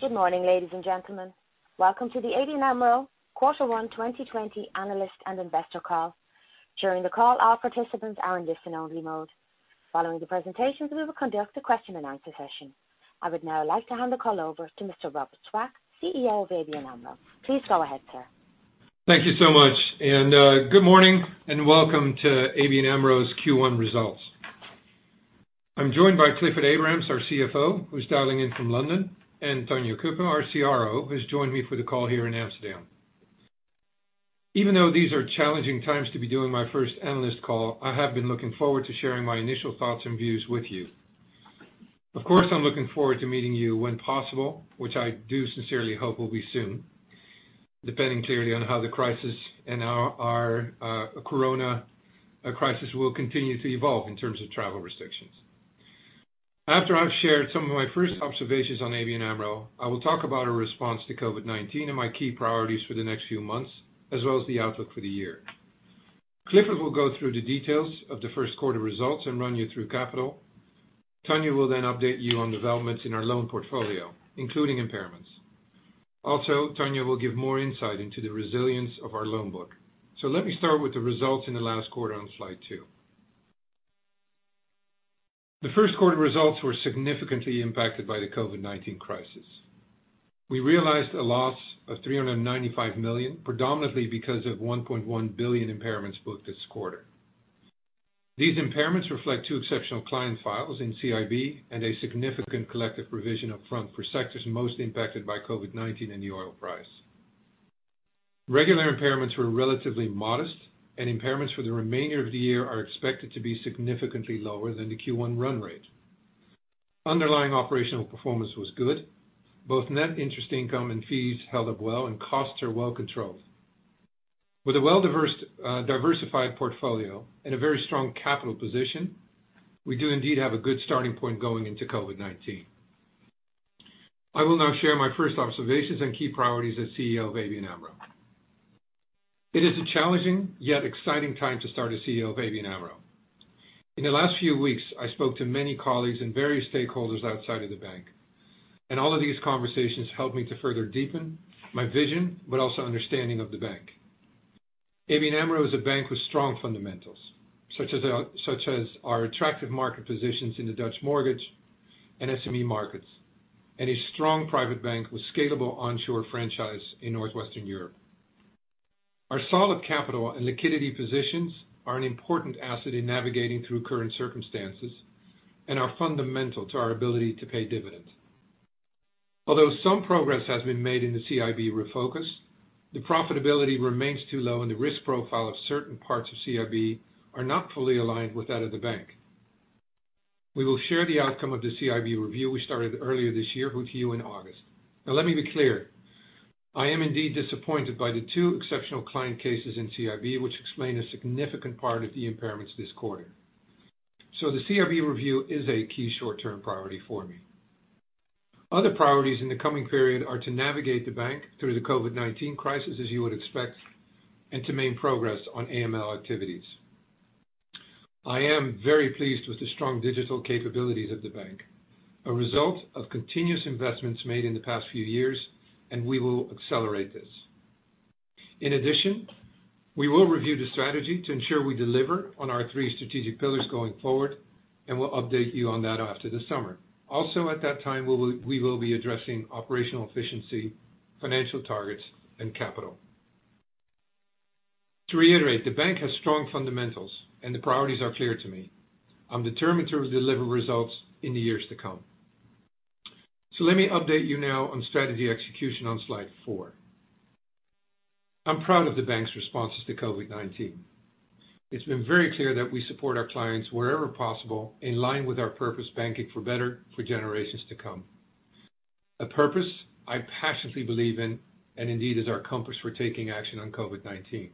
Good morning, ladies and gentlemen. Welcome to the ABN AMRO Quarter 1, 2020 analyst and investor call. During the call, all participants are in listen-only mode. Following the presentations, we will conduct a question and answer session. I would now like to hand the call over to Mr. Robert Swaak, CEO of ABN AMRO. Please go ahead, sir. Thank you so much. Good morning and welcome to ABN AMRO's Q1 results. I'm joined by Clifford Abrahams, our CFO, who's dialing in from London, and Tanja Cuppen, our CRO, who's joined me for the call here in Amsterdam. Even though these are challenging times to be doing my first analyst call, I have been looking forward to sharing my initial thoughts and views with you. Of course, I'm looking forward to meeting you when possible, which I do sincerely hope will be soon, depending clearly on how the crisis and our corona crisis will continue to evolve in terms of travel restrictions. After I've shared some of my first observations on ABN AMRO, I will talk about our response to COVID-19 and my key priorities for the next few months, as well as the outlook for the year. Clifford will go through the details of the first quarter results and run you through capital. Tanja will then update you on developments in our loan portfolio, including impairments. Tanja will give more insight into the resilience of our loan book. Let me start with the results in the last quarter on slide two. The first quarter results were significantly impacted by the COVID-19 crisis. We realized a loss of 395 million, predominantly because of 1.1 billion impairments booked this quarter. These impairments reflect two exceptional client files in CIB and a significant collective provision up front for sectors most impacted by COVID-19 and the oil price. Regular impairments were relatively modest, and impairments for the remainder of the year are expected to be significantly lower than the Q1 run-rate. Underlying operational performance was good. Both net interest income and fees held up well, and costs are well controlled. With a well-diversified portfolio and a very strong capital position, we do indeed have a good starting point going into COVID-19. I will now share my first observations and key priorities as CEO of ABN AMRO. It is a challenging, yet exciting time to start as CEO of ABN AMRO. In the last few weeks, I spoke to many colleagues and various stakeholders outside of the bank, and all of these conversations helped me to further deepen my vision, but also understanding of the bank. ABN AMRO is a bank with strong fundamentals, such as our attractive market positions in the Dutch mortgage and SME markets, and a strong private bank with scalable onshore franchise in Northwestern Europe. Our solid capital and liquidity positions are an important asset in navigating through current circumstances and are fundamental to our ability to pay dividends. Although some progress has been made in the CIB refocus, the profitability remains too low and the risk profile of certain parts of CIB are not fully aligned with that of the bank. We will share the outcome of the CIB review we started earlier this year with you in August. Now, let me be clear, I am indeed disappointed by the two exceptional client cases in CIB, which explain a significant part of the impairments this quarter. The CIB review is a key short-term priority for me. Other priorities in the coming period are to navigate the bank through the COVID-19 crisis, as you would expect, and to make progress on AML activities. I am very pleased with the strong digital capabilities of the bank, a result of continuous investments made in the past few years, and we will accelerate this. In addition, we will review the strategy to ensure we deliver on our three strategic pillars going forward, and we'll update you on that after the summer. Also at that time, we will be addressing operational efficiency, financial targets, and capital. To reiterate, the bank has strong fundamentals, and the priorities are clear to me. I'm determined to deliver results in the years to come. Let me update you now on strategy execution on slide four. I'm proud of the bank's responses to COVID-19. It's been very clear that we support our clients wherever possible, in line with our purpose, banking for better for generations to come. A purpose I passionately believe in, and indeed, is our compass for taking action on COVID-19.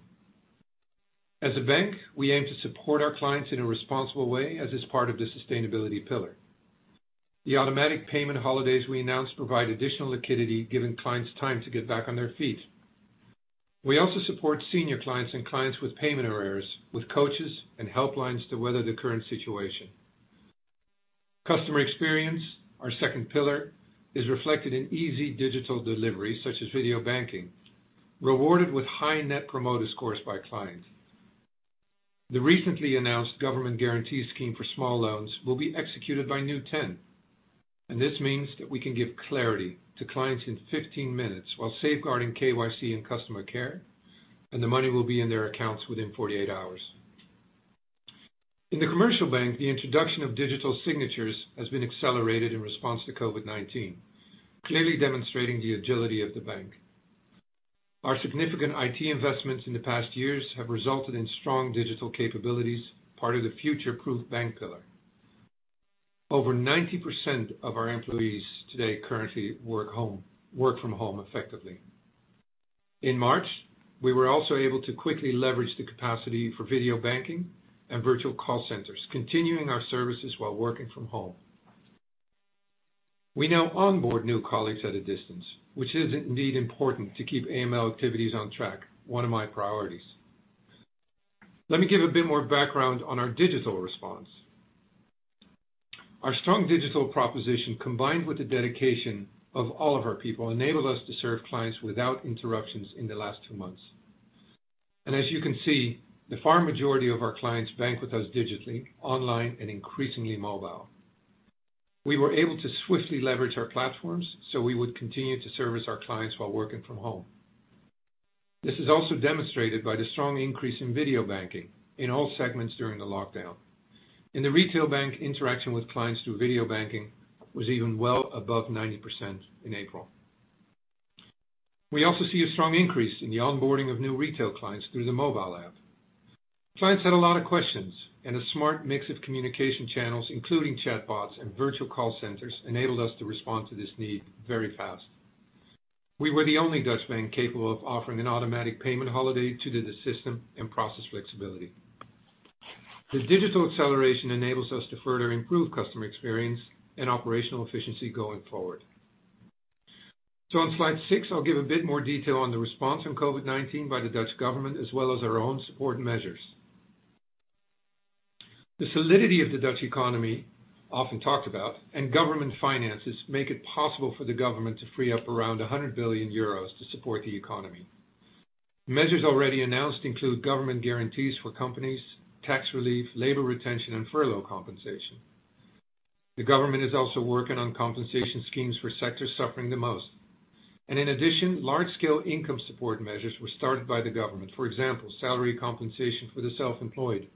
As a bank, we aim to support our clients in a responsible way, as is part of the sustainability pillar. The automatic payment holidays we announced provide additional liquidity, giving clients time to get back on their feet. We also support senior clients and clients with payment arrears, with coaches and helplines to weather the current situation. Customer experience, our second pillar, is reflected in easy digital delivery, such as video banking, rewarded with high Net Promoter Scores by clients. The recently announced government guarantee scheme for small loans will be executed by New10, and this means that we can give clarity to clients in 15 minutes while safeguarding KYC and customer care, and the money will be in their accounts within 48 hours. In the commercial bank, the introduction of digital signatures has been accelerated in response to COVID-19, clearly demonstrating the agility of the bank. Our significant IT investments in the past years have resulted in strong digital capabilities, part of the future-proof bank pillar. Over 90% of our employees today currently work from home effectively. In March, we were also able to quickly leverage the capacity for video banking and virtual call centers, continuing our services while working from home. We now onboard new colleagues at a distance, which is indeed important to keep AML activities on track, one of my priorities. Let me give a bit more background on our digital response. Our strong digital proposition, combined with the dedication of all of our people, enabled us to serve clients without interruptions in the last two months. As you can see, the far majority of our clients bank with us digitally online and increasingly mobile. We were able to swiftly leverage our platforms so we would continue to service our clients while working from home. This is also demonstrated by the strong increase in video banking in all segments during the lockdown. In the retail bank, interaction with clients through video banking was even well above 90% in April. We also see a strong increase in the onboarding of new retail clients through the mobile app. Clients had a lot of questions and a smart mix of communication channels, including chatbots and virtual call centers, enabled us to respond to this need very fast. We were the only Dutch bank capable of offering an automatic payment holiday due to the system and process flexibility. The digital acceleration enables us to further improve customer experience and operational efficiency going forward. On slide six, I'll give a bit more detail on the response on COVID-19 by the Dutch government, as well as our own support measures. The solidity of the Dutch economy, often talked about, and government finances, make it possible for the government to free up around 100 billion euros to support the economy. Measures already announced include government guarantees for companies, tax relief, labor retention, and furlough compensation. The government is also working on compensation schemes for sectors suffering the most. In addition, large-scale income support measures were started by the government. For example, salary compensation for the self-employed.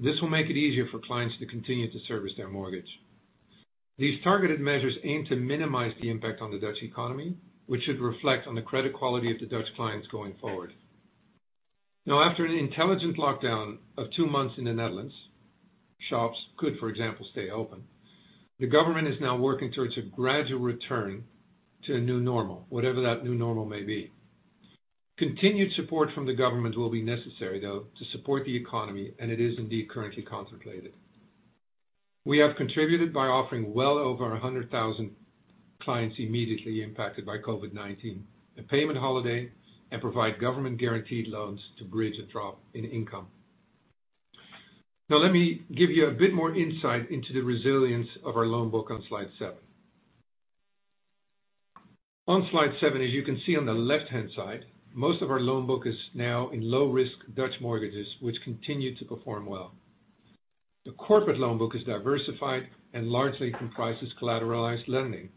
This will make it easier for clients to continue to service their mortgage. These targeted measures aim to minimize the impact on the Dutch economy, which should reflect on the credit quality of the Dutch clients going forward. Now, after an intelligent lockdown of two months in the Netherlands, shops could, for example, stay open. The government is now working towards a gradual return to a new normal, whatever that new normal may be. Continued support from the government will be necessary, though, to support the economy, and it is indeed currently contemplated. We have contributed by offering well over 100,000 clients immediately impacted by COVID-19 a payment holiday and provide government guaranteed loans to bridge a drop in income. Now let me give you a bit more insight into the resilience of our loan book on slide seven. On slide seven, as you can see on the left-hand side, most of our loan book is now in low risk Dutch mortgages, which continue to perform well. The corporate loan book is diversified and largely comprises collateralized lending.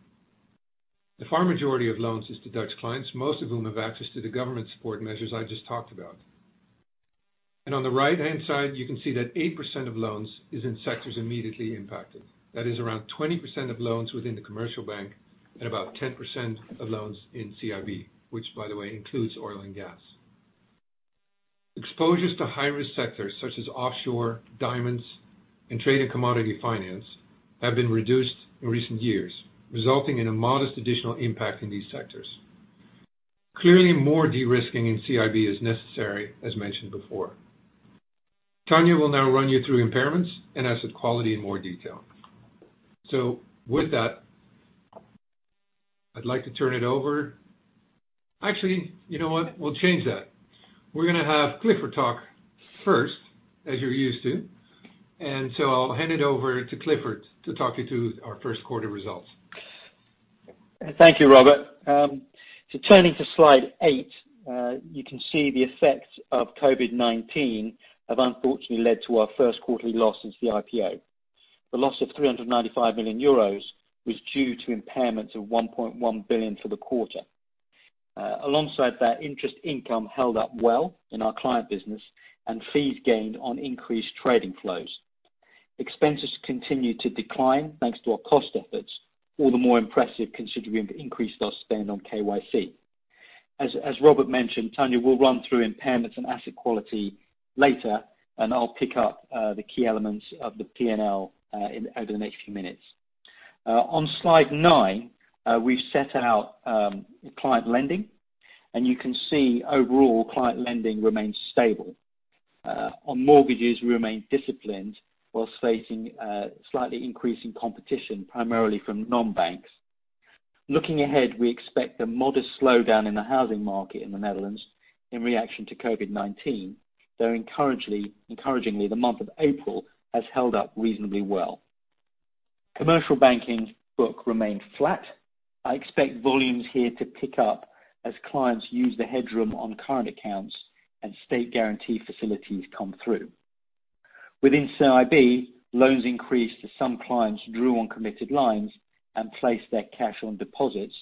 The far majority of loans is to Dutch clients, most of whom have access to the government support measures I just talked about. On the right-hand side, you can see that 8% of loans is in sectors immediately impacted. That is around 20% of loans within the commercial bank and about 10% of loans in CIB, which by the way, includes oil and gas. Exposures to high-risk sectors such as offshore, diamonds, and trade and commodity finance have been reduced in recent years, resulting in a modest additional impact in these sectors. Clearly, more de-risking in CIB is necessary, as mentioned before. Tanja will now run you through impairments and asset quality in more detail. With that, I'd like to turn it over. Actually, you know what? We'll change that. We're going to have Clifford talk first, as you're used to. I'll hand it over to Clifford to talk you through our first quarter results. Thank you, Robert. Turning to slide eight, you can see the effects of COVID-19 have unfortunately led to our first quarterly loss since the IPO. The loss of 395 million euros was due to impairments of 1.1 billion for the quarter. Alongside that, interest income held up well in our client business and fees gained on increased trading flows. Expenses continued to decline thanks to our cost efforts, all the more impressive considering we increased our spend on KYC. As Robert mentioned, Tanja will run through impairments and asset quality later, and I'll pick up the key elements of the P&L over the next few minutes. On slide nine, we've set out client lending, and you can see overall client lending remains stable. On mortgages, we remain disciplined whilst facing slightly increasing competition, primarily from non-banks. Looking ahead, we expect a modest slowdown in the housing market in the Netherlands in reaction to COVID-19, though encouragingly, the month of April has held up reasonably well. Commercial banking's book remained flat. I expect volumes here to pick up as clients use the headroom on current accounts and state guarantee facilities come through. Within CIB, loans increased as some clients drew on committed lines and placed their cash on deposits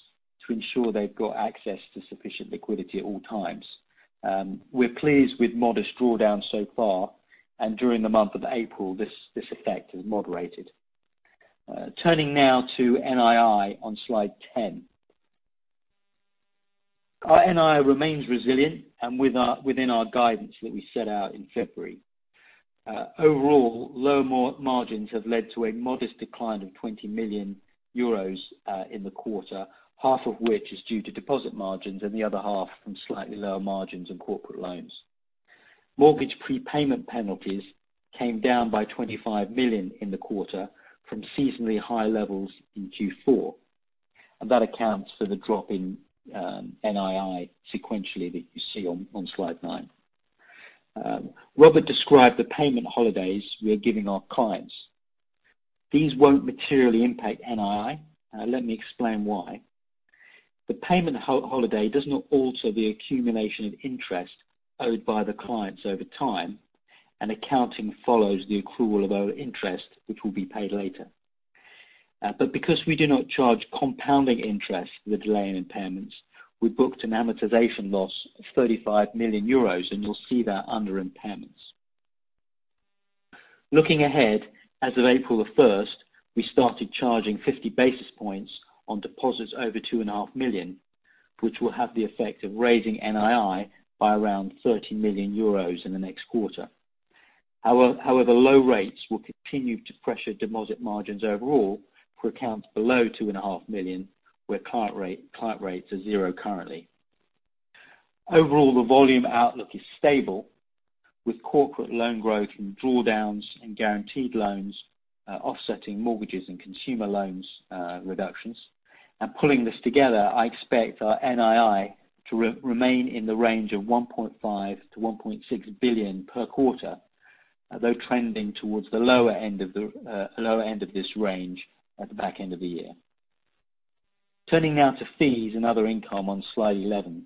to ensure they've got access to sufficient liquidity at all times. We're pleased with modest drawdown so far and during the month of April, this effect has moderated. Turning now to NII on slide 10. Our NII remains resilient and within our guidance that we set out in February. Overall, low margins have led to a modest decline of 20 million euros in the quarter, half of which is due to deposit margins and the other half from slightly lower margins and corporate loans. Mortgage prepayment penalties came down by 25 million in the quarter from seasonally high levels in Q4. That accounts for the drop in NII sequentially that you see on slide nine. Robert described the payment holidays we are giving our clients. These won't materially impact NII. Let me explain why. The payment holiday does not alter the accumulation of interest owed by the clients over time. Accounting follows the accrual of our interest, which will be paid later. Because we do not charge compounding interest for the delay in payments, we booked an amortization loss of 35 million euros. You'll see that under impairments. Looking ahead, as of April the 1st, we started charging 50 basis points on deposits over two and a half million, which will have the effect of raising NII by around 30 million euros in the next quarter. However, low rates will continue to pressure deposit margins overall for accounts below two and a half million, where client rates are zero currently. Overall, the volume outlook is stable, with corporate loan growth and drawdowns and guaranteed loans offsetting mortgages and consumer loans reductions. Pulling this together, I expect our NII to remain in the range of 1.5 billion-1.6 billion per quarter, though trending towards the lower end of this range at the back end of the year. Turning now to fees and other income on slide 11.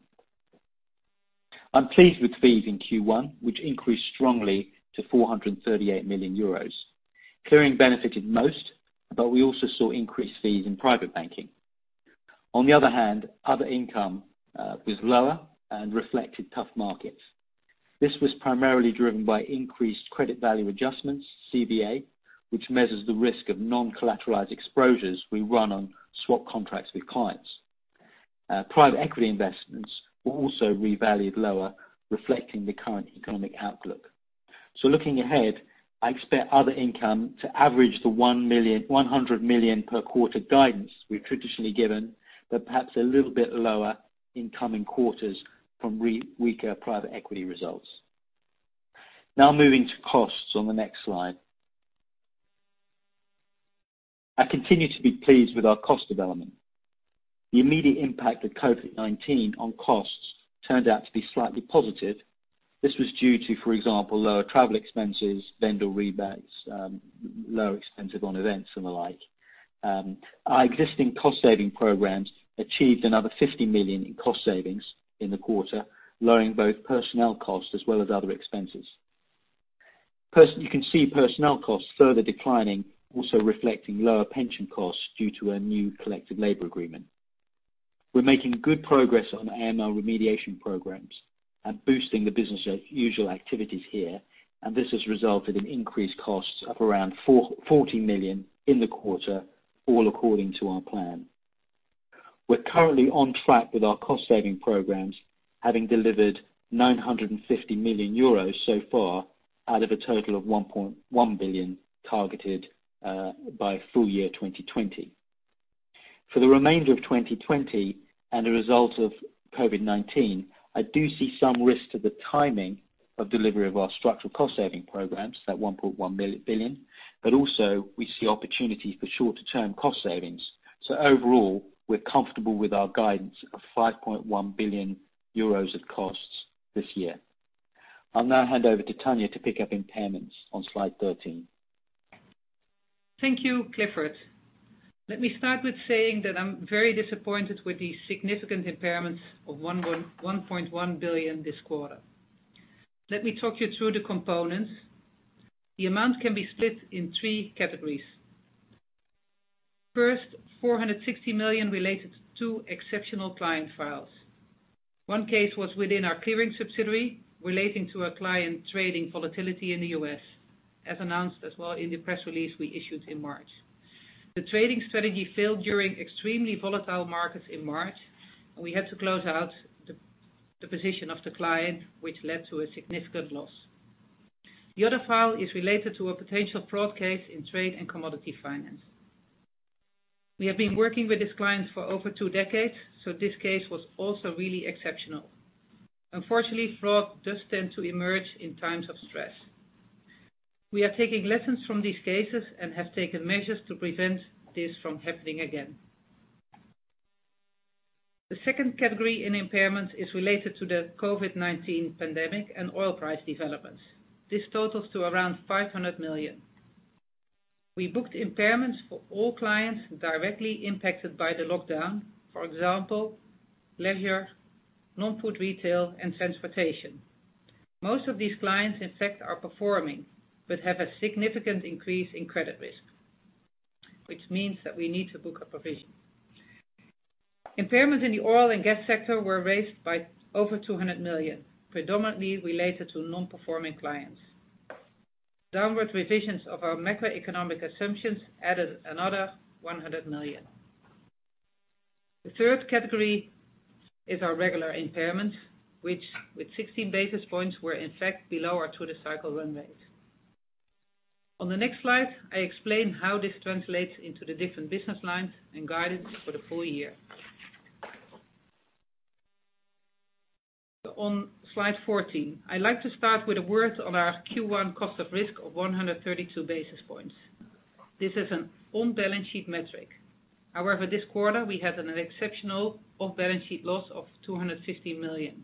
I'm pleased with fees in Q1, which increased strongly to 438 million euros. Clearing benefited most, but we also saw increased fees in private banking. On the other hand, other income was lower and reflected tough markets. This was primarily driven by increased credit value adjustments, CVA, which measures the risk of non-collateralized exposures we run on swap contracts with clients. Private equity investments were also revalued lower, reflecting the current economic outlook. Looking ahead, I expect other income to average the 100 million per quarter guidance we've traditionally given, but perhaps a little bit lower in coming quarters from weaker private equity results. Now moving to costs on the next slide. I continue to be pleased with our cost development. The immediate impact of COVID-19 on costs turned out to be slightly positive. This was due to, for example, lower travel expenses, vendor rebates, lower expenses on events and the like. Our existing cost saving programs achieved another 50 million in cost savings in the quarter, lowering both personnel costs as well as other expenses. You can see personnel costs further declining, also reflecting lower pension costs due to a new collective labor agreement. We're making good progress on AML remediation programs and boosting the business-as-usual activities here, and this has resulted in increased costs of around 40 million in the quarter, all according to our plan. We're currently on track with our cost saving programs, having delivered 950 million euros so far, out of a total of 1.1 billion targeted by full year 2020. For the remainder of 2020 and the result of COVID-19, I do see some risk to the timing of delivery of our structural cost saving programs, that 1.1 billion, but also we see opportunities for shorter-term cost savings. Overall, we're comfortable with our guidance of 5.1 billion euros of costs this year. I'll now hand over to Tanja to pick up impairments on slide 13. Thank you, Clifford. Let me start with saying that I'm very disappointed with the significant impairments of 1.1 billion this quarter. Let me talk you through the components. The amount can be split in three categories. First, 460 million related to two exceptional client files. One case was within our clearing subsidiary relating to a client trading volatility in the U.S., as announced as well in the press release we issued in March. The trading strategy failed during extremely volatile markets in March, and we had to close out the position of the client, which led to a significant loss. The other file is related to a potential fraud case in trade and commodity finance. We have been working with this client for over two decades, so this case was also really exceptional. Unfortunately, fraud does tend to emerge in times of stress. We are taking lessons from these cases and have taken measures to prevent this from happening again. The second category in impairments is related to the COVID-19 pandemic and oil price developments. This totals to around 500 million. We booked impairments for all clients directly impacted by the lockdown. For example, leisure, non-food retail, and transportation. Most of these clients, in fact, are performing but have a significant increase in credit risk, which means that we need to book a provision. Impairments in the oil and gas sector were raised by over 200 million, predominantly related to non-performing clients. Downward revisions of our macroeconomic assumptions added another 100 million. The third category is our regular impairments, which with 16 basis points, were in fact below our through-the-cycle run rate. On the next slide, I explain how this translates into the different business lines and guidance for the full year. On slide 14, I'd like to start with a word on our Q1 cost of risk of 132 basis points. This is an on-balance sheet metric. However, this quarter, we had an exceptional off-balance sheet loss of 250 million.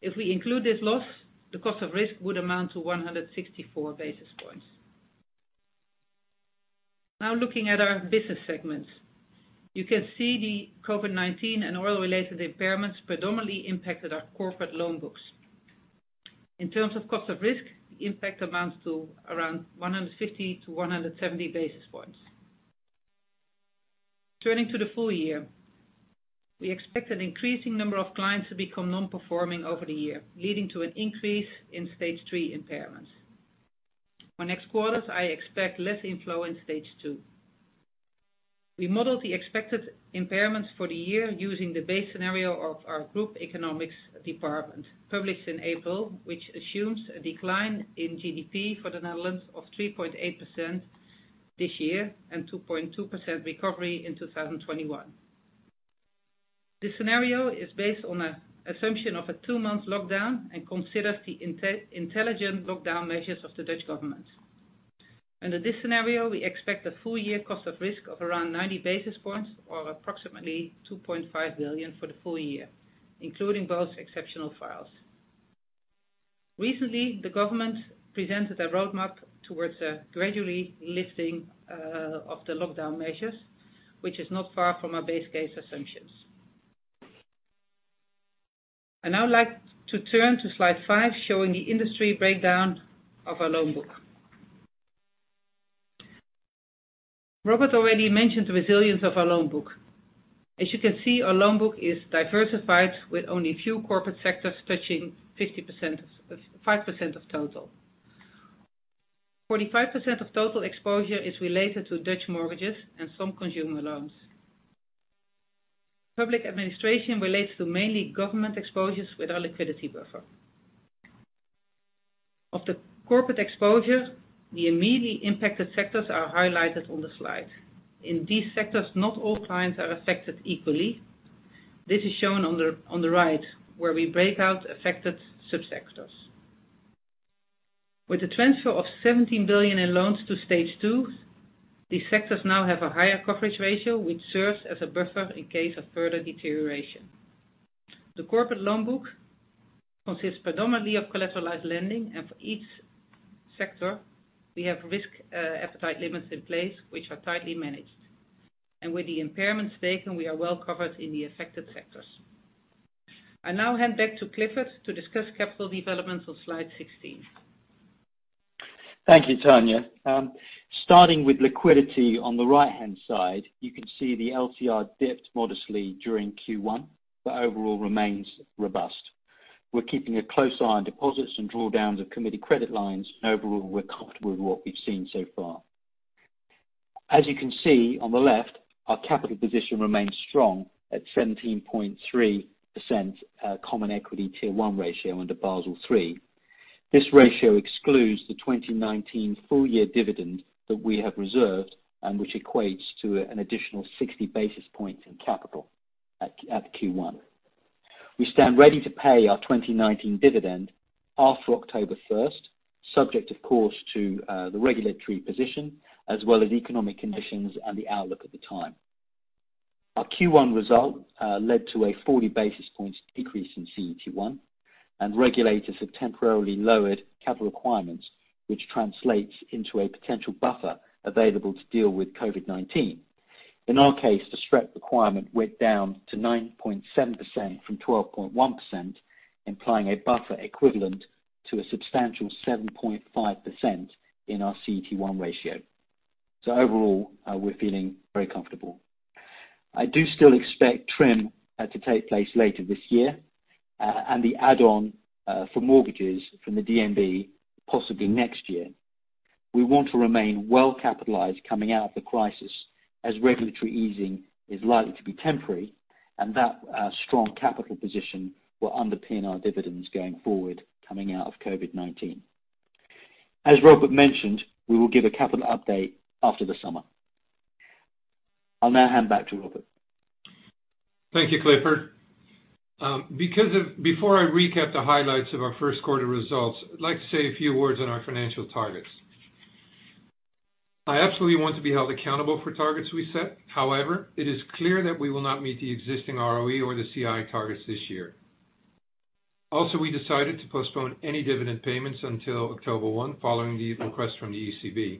If we include this loss, the cost of risk would amount to 164 basis points. Looking at our business segments. You can see the COVID-19 and oil-related impairments predominantly impacted our corporate loan books. In terms of cost of risk, the impact amounts to around 150-170 basis points. Turning to the full year, we expect an increasing number of clients to become non-performing over the year, leading to an increase in Stage 3 impairments. On next quarters, I expect less inflow in Stage 2. We modeled the expected impairments for the year using the base scenario of our group economics department, published in April, which assumes a decline in GDP for the Netherlands of 3.8% this year and 2.2% recovery in 2021. This scenario is based on an assumption of a two-month lockdown and considers the intelligent lockdown measures of the Dutch government. Under this scenario, we expect a full-year cost of risk of around 90 basis points or approximately 2.5 billion for the full year, including both exceptional files. Recently, the government presented a roadmap towards gradually lifting of the lockdown measures, which is not far from our base case assumptions. I'd now like to turn to slide five, showing the industry breakdown of our loan book. Robert already mentioned the resilience of our loan book. As you can see, our loan book is diversified with only a few corporate sectors touching 5% of total. 45% of total exposure is related to Dutch mortgages and some consumer loans. Public administration relates to mainly government exposures with our liquidity buffer. Of the corporate exposure, the immediately impacted sectors are highlighted on the slide. In these sectors, not all clients are affected equally. This is shown on the right where we break out affected subsectors. With the transfer of 17 billion in loans to Stage 2, these sectors now have a higher coverage ratio, which serves as a buffer in case of further deterioration. The corporate loan book consists predominantly of collateralized lending, and for each sector, we have risk appetite limits in place, which are tightly managed. With the impairments taken, we are well covered in the affected sectors. I now hand back to Clifford to discuss capital developments on slide 16. Thank you, Tanja. Starting with liquidity on the right-hand side, you can see the LCR dipped modestly during Q1, but overall remains robust. We're keeping a close eye on deposits and drawdowns of committed credit lines, and overall, we're comfortable with what we've seen so far. As you can see on the left, our capital position remains strong at 17.3% common equity tier 1 ratio under Basel III. This ratio excludes the 2019 full-year dividend that we have reserved and which equates to an additional 60 basis points in capital at Q1. We stand ready to pay our 2019 dividend after October 1st, subject, of course, to the regulatory position as well as economic conditions and the outlook at the time. Our Q1 result led to a 40 basis points decrease in CET1, and regulators have temporarily lowered capital requirements, which translates into a potential buffer available to deal with COVID-19. In our case, the SREP requirement went down to 9.7% from 12.1%, implying a buffer equivalent to a substantial 7.5% in our CET1 ratio. Overall, we're feeling very comfortable. I do still expect TRIM to take place later this year, and the add-on for mortgages from the DNB, possibly next year. We want to remain well-capitalized coming out of the crisis as regulatory easing is likely to be temporary, and that strong capital position will underpin our dividends going forward coming out of COVID-19. As Robert mentioned, we will give a capital update after the summer. I'll now hand back to Robert. Thank you, Clifford. Before I recap the highlights of our first quarter results, I'd like to say a few words on our financial targets. I absolutely want to be held accountable for targets we set. However, it is clear that we will not meet the existing ROE or the CI targets this year. Also, we decided to postpone any dividend payments until October 1, following the request from the ECB.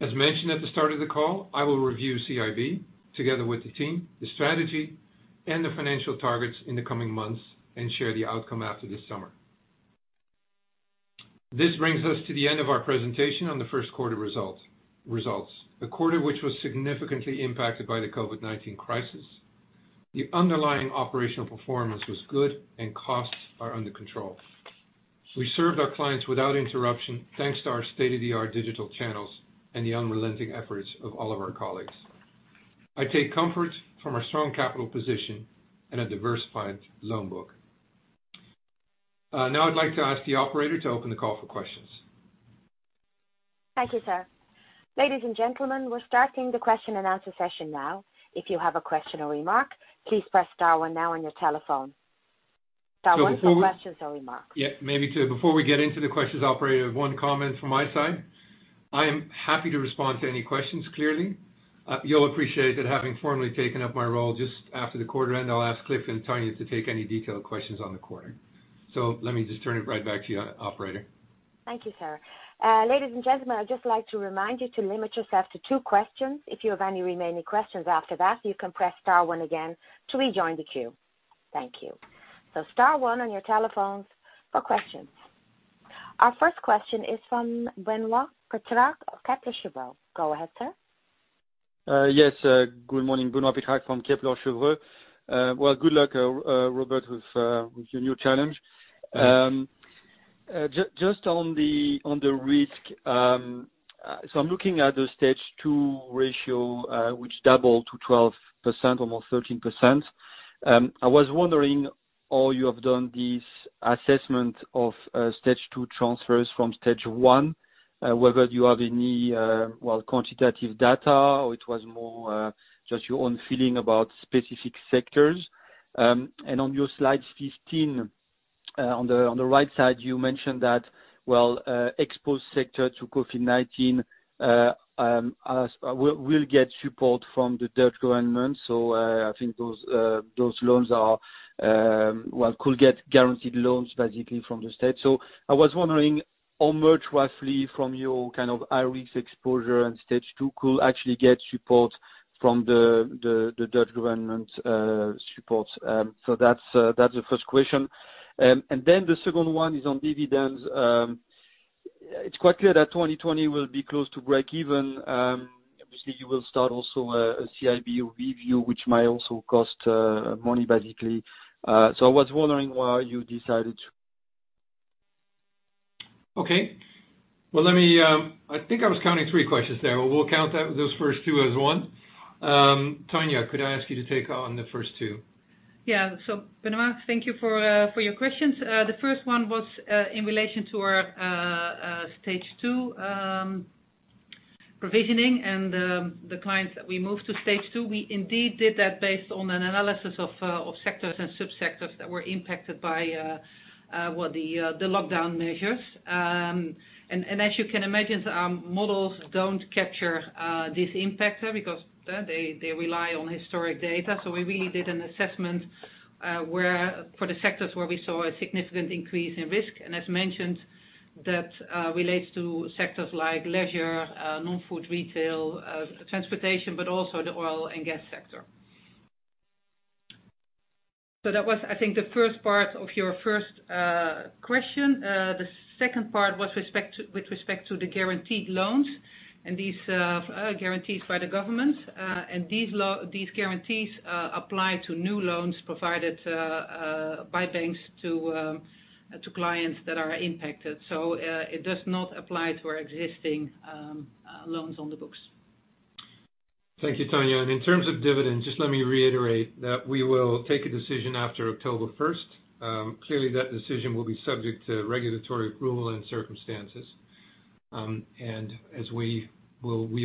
As mentioned at the start of the call, I will review CIB together with the team, the strategy, and the financial targets in the coming months, and share the outcome after this summer. This brings us to the end of our presentation on the first quarter results. A quarter which was significantly impacted by the COVID-19 crisis. The underlying operational performance was good and costs are under control. We served our clients without interruption, thanks to our state-of-the-art digital channels and the unrelenting efforts of all of our colleagues. I take comfort from our strong capital position and a diversified loan book. Now I'd like to ask the operator to open the call for questions. Thank you, sir. Ladies and gentlemen, we're starting the question and answer session now. If you have a question or remark, please press star one now on your telephone. Star one for questions or remarks. Yeah, maybe before we get into the questions, operator, one comment from my side. I am happy to respond to any questions, clearly. You'll appreciate that having formally taken up my role just after the quarter end, I'll ask Cliff and Tanja to take any detailed questions on the quarter. Let me just turn it right back to you, operator. Thank you, sir. Ladies and gentlemen, I'd just like to remind you to limit yourself to two questions. If you have any remaining questions after that, you can press star one again to rejoin the queue. Thank you. Star one on your telephones for questions. Our first question is from Benoit Pétrarque of Kepler Cheuvreux. Go ahead, sir. Yes. Good morning. Benoit Pétrarque from Kepler Cheuvreux. Well, good luck, Robert, with your new challenge. Thanks. Just on the risk. I'm looking at the Stage 2 ratio, which doubled to 12%, almost 13%. I was wondering, all you have done this assessment of Stage 2 transfers from Stage 1, whether you have any quantitative data, or it was more just your own feeling about specific sectors. On your slide 15, on the right side, you mentioned that exposed sector to COVID-19 will get support from the Dutch government. I think those loans could get guaranteed loans, basically, from the state. I was wondering how much, roughly, from your risk exposure and Stage 2 could actually get support from the Dutch government support. That's the first question. The second one is on dividends. It's quite clear that 2020 will be close to break even. Obviously, you will start also a CIB review, which might also cost money, basically. I was wondering why you decided to Okay. I think I was counting three questions there. We'll count those first two as one. Tanja, could I ask you to take on the first two? Yeah. Benoit, thank you for your questions. The first one was in relation to our Stage 2 provisioning and the clients that we moved to Stage 2. We indeed did that based on an analysis of sectors and subsectors that were impacted by the lockdown measures. As you can imagine, some models don't capture this impact because they rely on historic data. We really did an assessment for the sectors where we saw a significant increase in risk. As mentioned, that relates to sectors like leisure, non-food retail, transportation, but also the oil and gas sector. That was, I think, the first part of your first question. The second part was with respect to the guaranteed loans and these guarantees by the government. These guarantees apply to new loans provided by banks to clients that are impacted. It does not apply to our existing loans on the books. Thank you, Tanja. In terms of dividends, just let me reiterate that we will take a decision after October 1st. Clearly, that decision will be subject to regulatory approval and circumstances.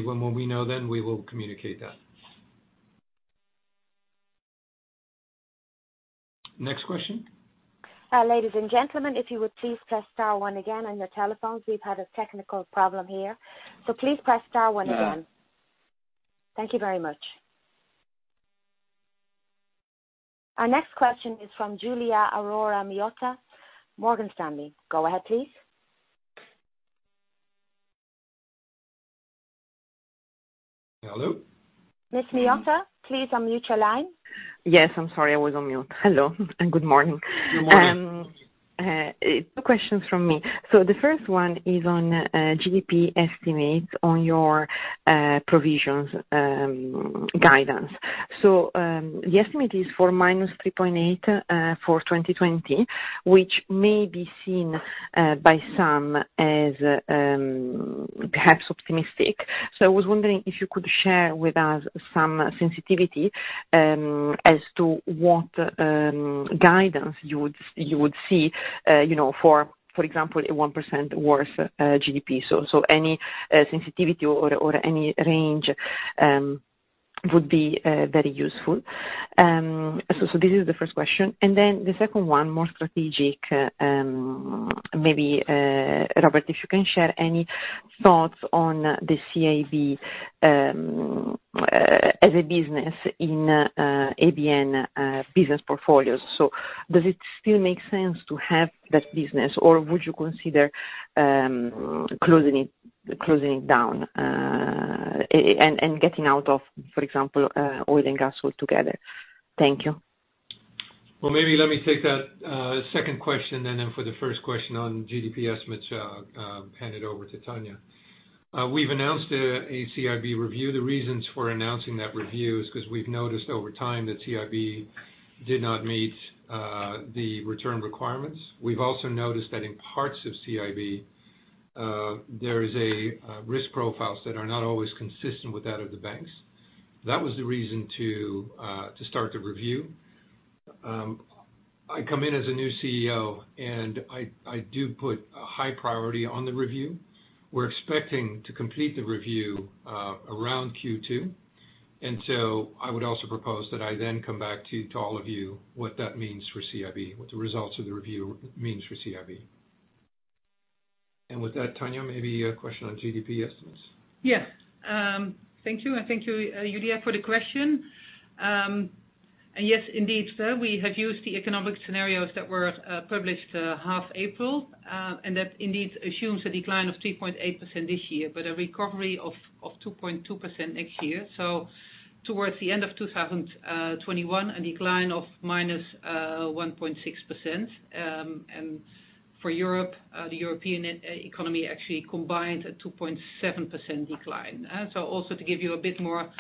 When we know then, we will communicate that. Next question. Ladies and gentlemen, if you would please press star one again on your telephones. We've had a technical problem here. Please press star one again. Thank you very much. Our next question is from Giulia Aurora Miotto, Morgan Stanley. Go ahead, please. Hello? Miss Miotto, please unmute your line. Yes. I'm sorry, I was on mute. Hello. Good morning. Good morning. Two questions from me. The first one is on GDP estimates on your provisions guidance. The estimate is for -3.8 for 2020, which may be seen by some as perhaps optimistic. I was wondering if you could share with us some sensitivity as to what guidance you would see for example, a 1% worse GDP. Any sensitivity or any range would be very useful. This is the first question. Then the second one, more strategic, maybe, Robert, if you can share any thoughts on the CIB as a business in ABN business portfolios. Does it still make sense to have that business, or would you consider closing it down and getting out of, for example, oil and gas altogether? Thank you. Well, maybe let me take that second question and for the first question on GDP estimates, hand it over to Tanja. We've announced a CIB review. The reasons for announcing that review is because we've noticed over time that CIB did not meet the return requirements. We've also noticed that in parts of CIB, there is a risk profiles that are not always consistent with that of the banks. That was the reason to start the review. I come in as a new CEO, and I do put a high priority on the review. We're expecting to complete the review around Q2. I would also propose that I come back to all of you what that means for CIB, what the results of the review means for CIB. With that, Tanja, maybe a question on GDP estimates. Yes. Thank you. Thank you, Giulia, for the question. Yes, indeed, sir. We have used the economic scenarios that were published half April, that indeed assumes a decline of 3.8% this year, but a recovery of 2.2% next year. Towards the end of 2021, a decline of minus 1.6%. For Europe, the European economy actually combined a 2.7% decline. Also to give you a bit more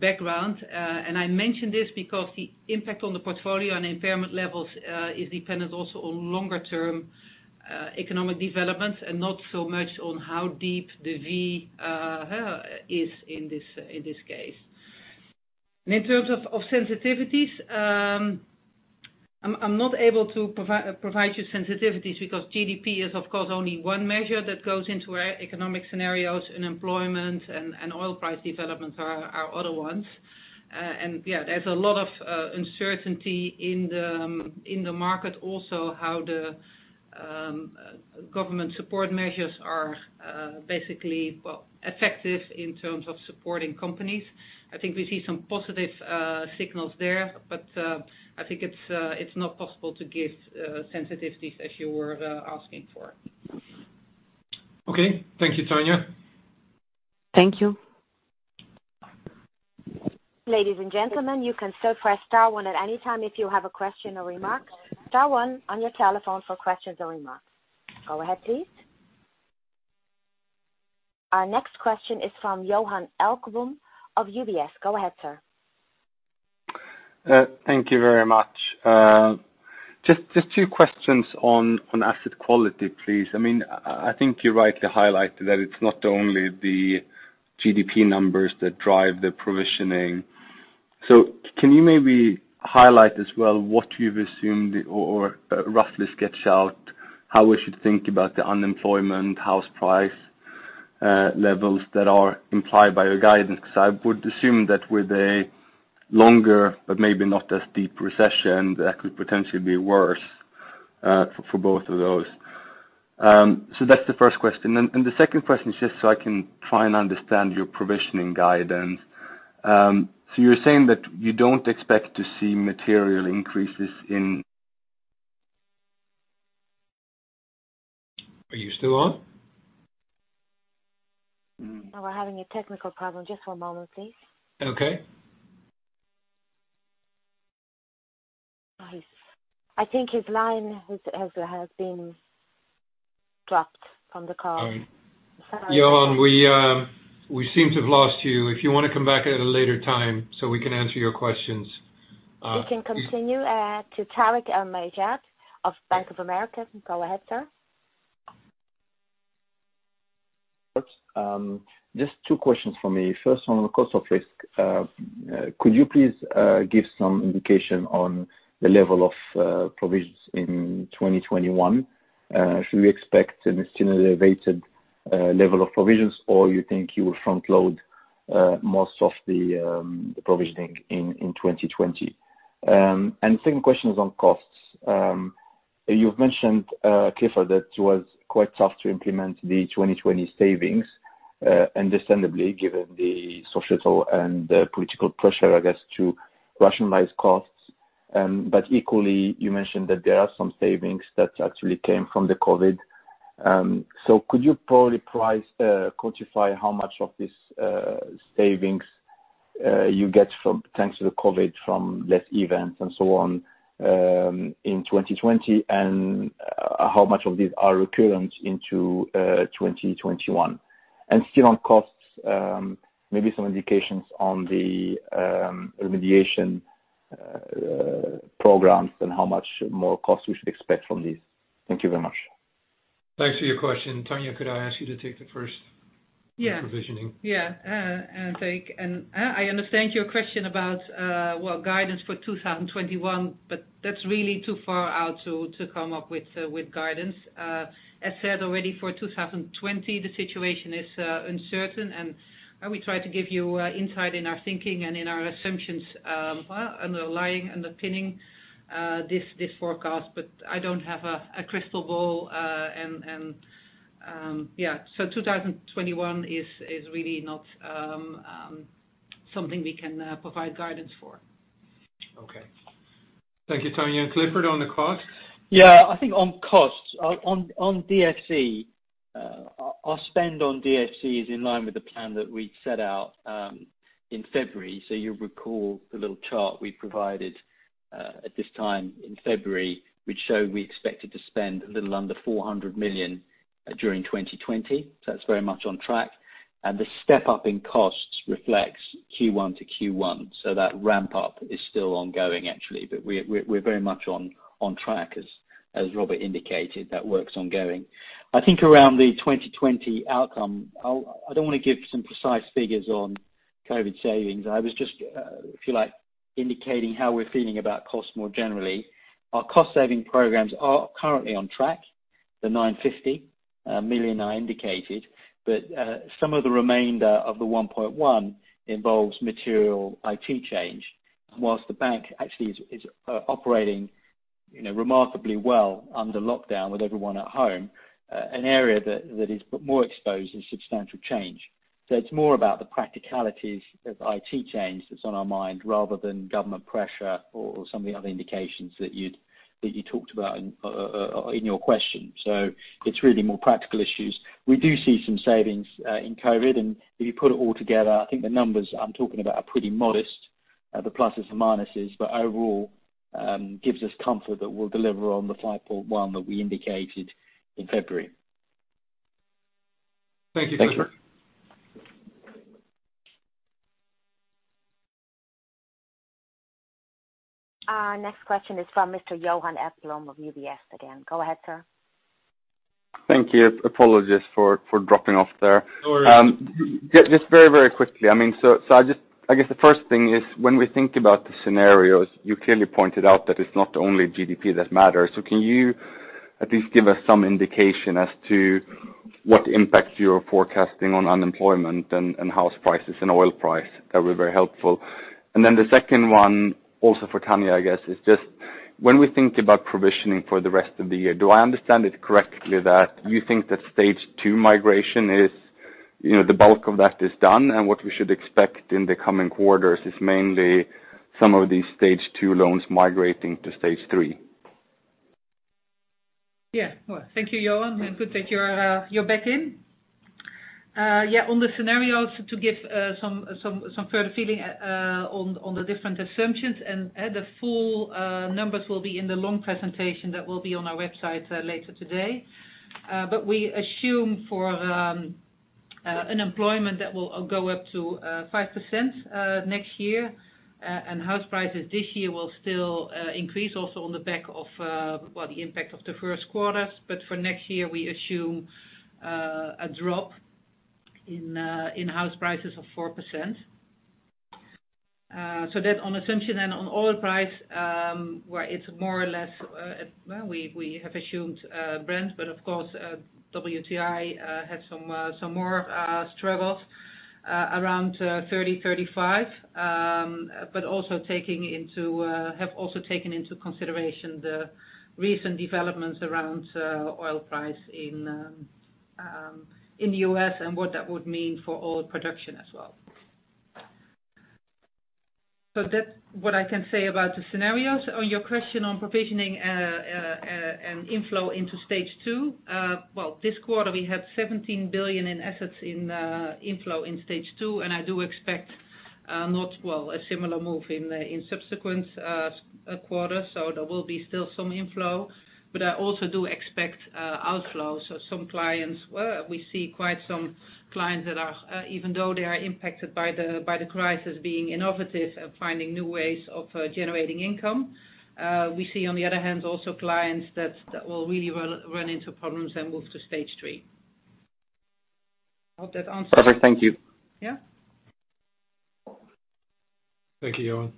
background, and I mention this because the impact on the portfolio and impairment levels is dependent also on longer-term economic developments and not so much on how deep the V is in this case. In terms of sensitivities, I'm not able to provide you sensitivities because GDP is, of course, only one measure that goes into our economic scenarios, and employment and oil price developments are other ones. Yeah, there's a lot of uncertainty in the market also how the government support measures are basically effective in terms of supporting companies. I think we see some positive signals there, but I think it's not possible to give sensitivities as you were asking for. Okay. Thank you, Tanja. Thank you. Ladies and gentlemen, you can still press star one at any time if you have a question or remark. Star one on your telephone for questions or remarks. Go ahead, please. Our next question is from Johan Ekblom of UBS. Go ahead, sir. Thank you very much. Just two questions on asset quality, please. I think you rightly highlighted that it's not only the GDP numbers that drive the provisioning. Can you maybe highlight as well what you've assumed or roughly sketch out how we should think about the unemployment, house price levels that are implied by your guidance? Because I would assume that with a longer but maybe not as deep recession, that could potentially be worse for both of those. That's the first question. The second question is just so I can try and understand your provisioning guidance. You're saying that you don't expect to see material increases in. Are you still on? We're having a technical problem. Just one moment, please. Okay. I think his line has been dropped on the call. Sorry. Johan, we seem to have lost you. If you want to come back at a later time so we can answer your questions. We can continue to Tarik El Mejjad of Bank of America. Go ahead, sir. Just two questions for me. First, on the cost of risk, could you please give some indication on the level of provisions in 2021? Should we expect an extremely elevated level of provisions, or you think you will front-load most of the provisioning in 2020? Second question is on costs. You've mentioned, Clifford, that it was quite tough to implement the 2020 savings, understandably, given the societal and political pressure, I guess, to rationalize costs. Equally, you mentioned that there are some savings that actually came from the COVID. Could you probably quantify how much of this savings you get thanks to the COVID from less events and so on in 2020, and how much of these are recurrent into 2021? Still on costs, maybe some indications on the remediation programs and how much more cost we should expect from these. Thank you very much. Thanks for your question. Tanja, could I ask you to take the first on provisioning? Yeah. I understand your question about what guidance for 2021, but that's really too far out to come up with guidance. As said already, for 2020, the situation is uncertain, and we try to give you insight in our thinking and in our assumptions underlying and underpinning this forecast. I don't have a crystal ball. 2021 is really not something we can provide guidance for. Okay. Thank you, Tanja. Clifford, on the cost? I think on costs, on DFC, our spend on DFC is in line with the plan that we set out in February. You recall the little chart we provided at this time in February, which showed we expected to spend a little under 400 million during 2020. That's very much on track. The step-up in costs reflects Q1 to Q1. That ramp-up is still ongoing, actually. We're very much on track as Robert indicated. That work's ongoing. I think around the 2020 outcome, I don't want to give some precise figures on COVID savings. I was just, if you like, indicating how we're feeling about costs more generally. Our cost-saving programs are currently on track, the 950 million I indicated. Some of the remainder of the 1.1 involves material IT change. Whilst the bank actually is operating remarkably well under lockdown with everyone at home, an area that is more exposed is substantial change. It's more about the practicalities of IT change that's on our mind rather than government pressure or some of the other indications that you talked about in your question. It's really more practical issues. We do see some savings in COVID, and if you put it all together, I think the numbers I'm talking about are pretty modest, the pluses and minuses. Overall, gives us comfort that we'll deliver on the 5.1 that we indicated in February. Thank you, Clifford. Thanks. Our next question is from Mr. Johan Ekblom of UBS again. Go ahead, sir. Thank you. Apologies for dropping off there. No worries. Just very quickly. I guess the first thing is when we think about the scenarios, you clearly pointed out that it is not only GDP that matters. Can you at least give us some indication as to what impact you are forecasting on unemployment and house prices and oil price? That would be very helpful. The second one, also for Tanja, I guess is just when we think about provisioning for the rest of the year, do I understand it correctly that you think that Stage 2 migration, the bulk of that is done and what we should expect in the coming quarters is mainly some of these Stage 2 loans migrating to Stage 3? Well, thank you, Johan. Good that you're back in. On the scenarios, to give some further feeling on the different assumptions, the full numbers will be in the long presentation that will be on our website later today. We assume for unemployment, that will go up to 5% next year. House prices this year will still increase also on the back of the impact of the first quarters. For next year, we assume a drop in house prices of 4%. That on assumption and on oil price, where it's more or less, well, we have assumed Brent, of course, WTI had some more struggles around 30, 35. Have also taken into consideration the recent developments around oil price in the U.S. and what that would mean for oil production as well. That's what I can say about the scenarios. On your question on provisioning and inflow into Stage 2. This quarter we had 17 billion in assets in inflow in Stage 2, and I do not expect a similar move in subsequent quarters. There will be still some inflow, but I also do expect outflow. Some clients, we see quite some clients that are, even though they are impacted by the crisis, being innovative and finding new ways of generating income. We see on the other hand, also clients that will really run into problems and move to Stage 3. I hope that answers. Perfect. Thank you. Yeah. Thank you, Johan.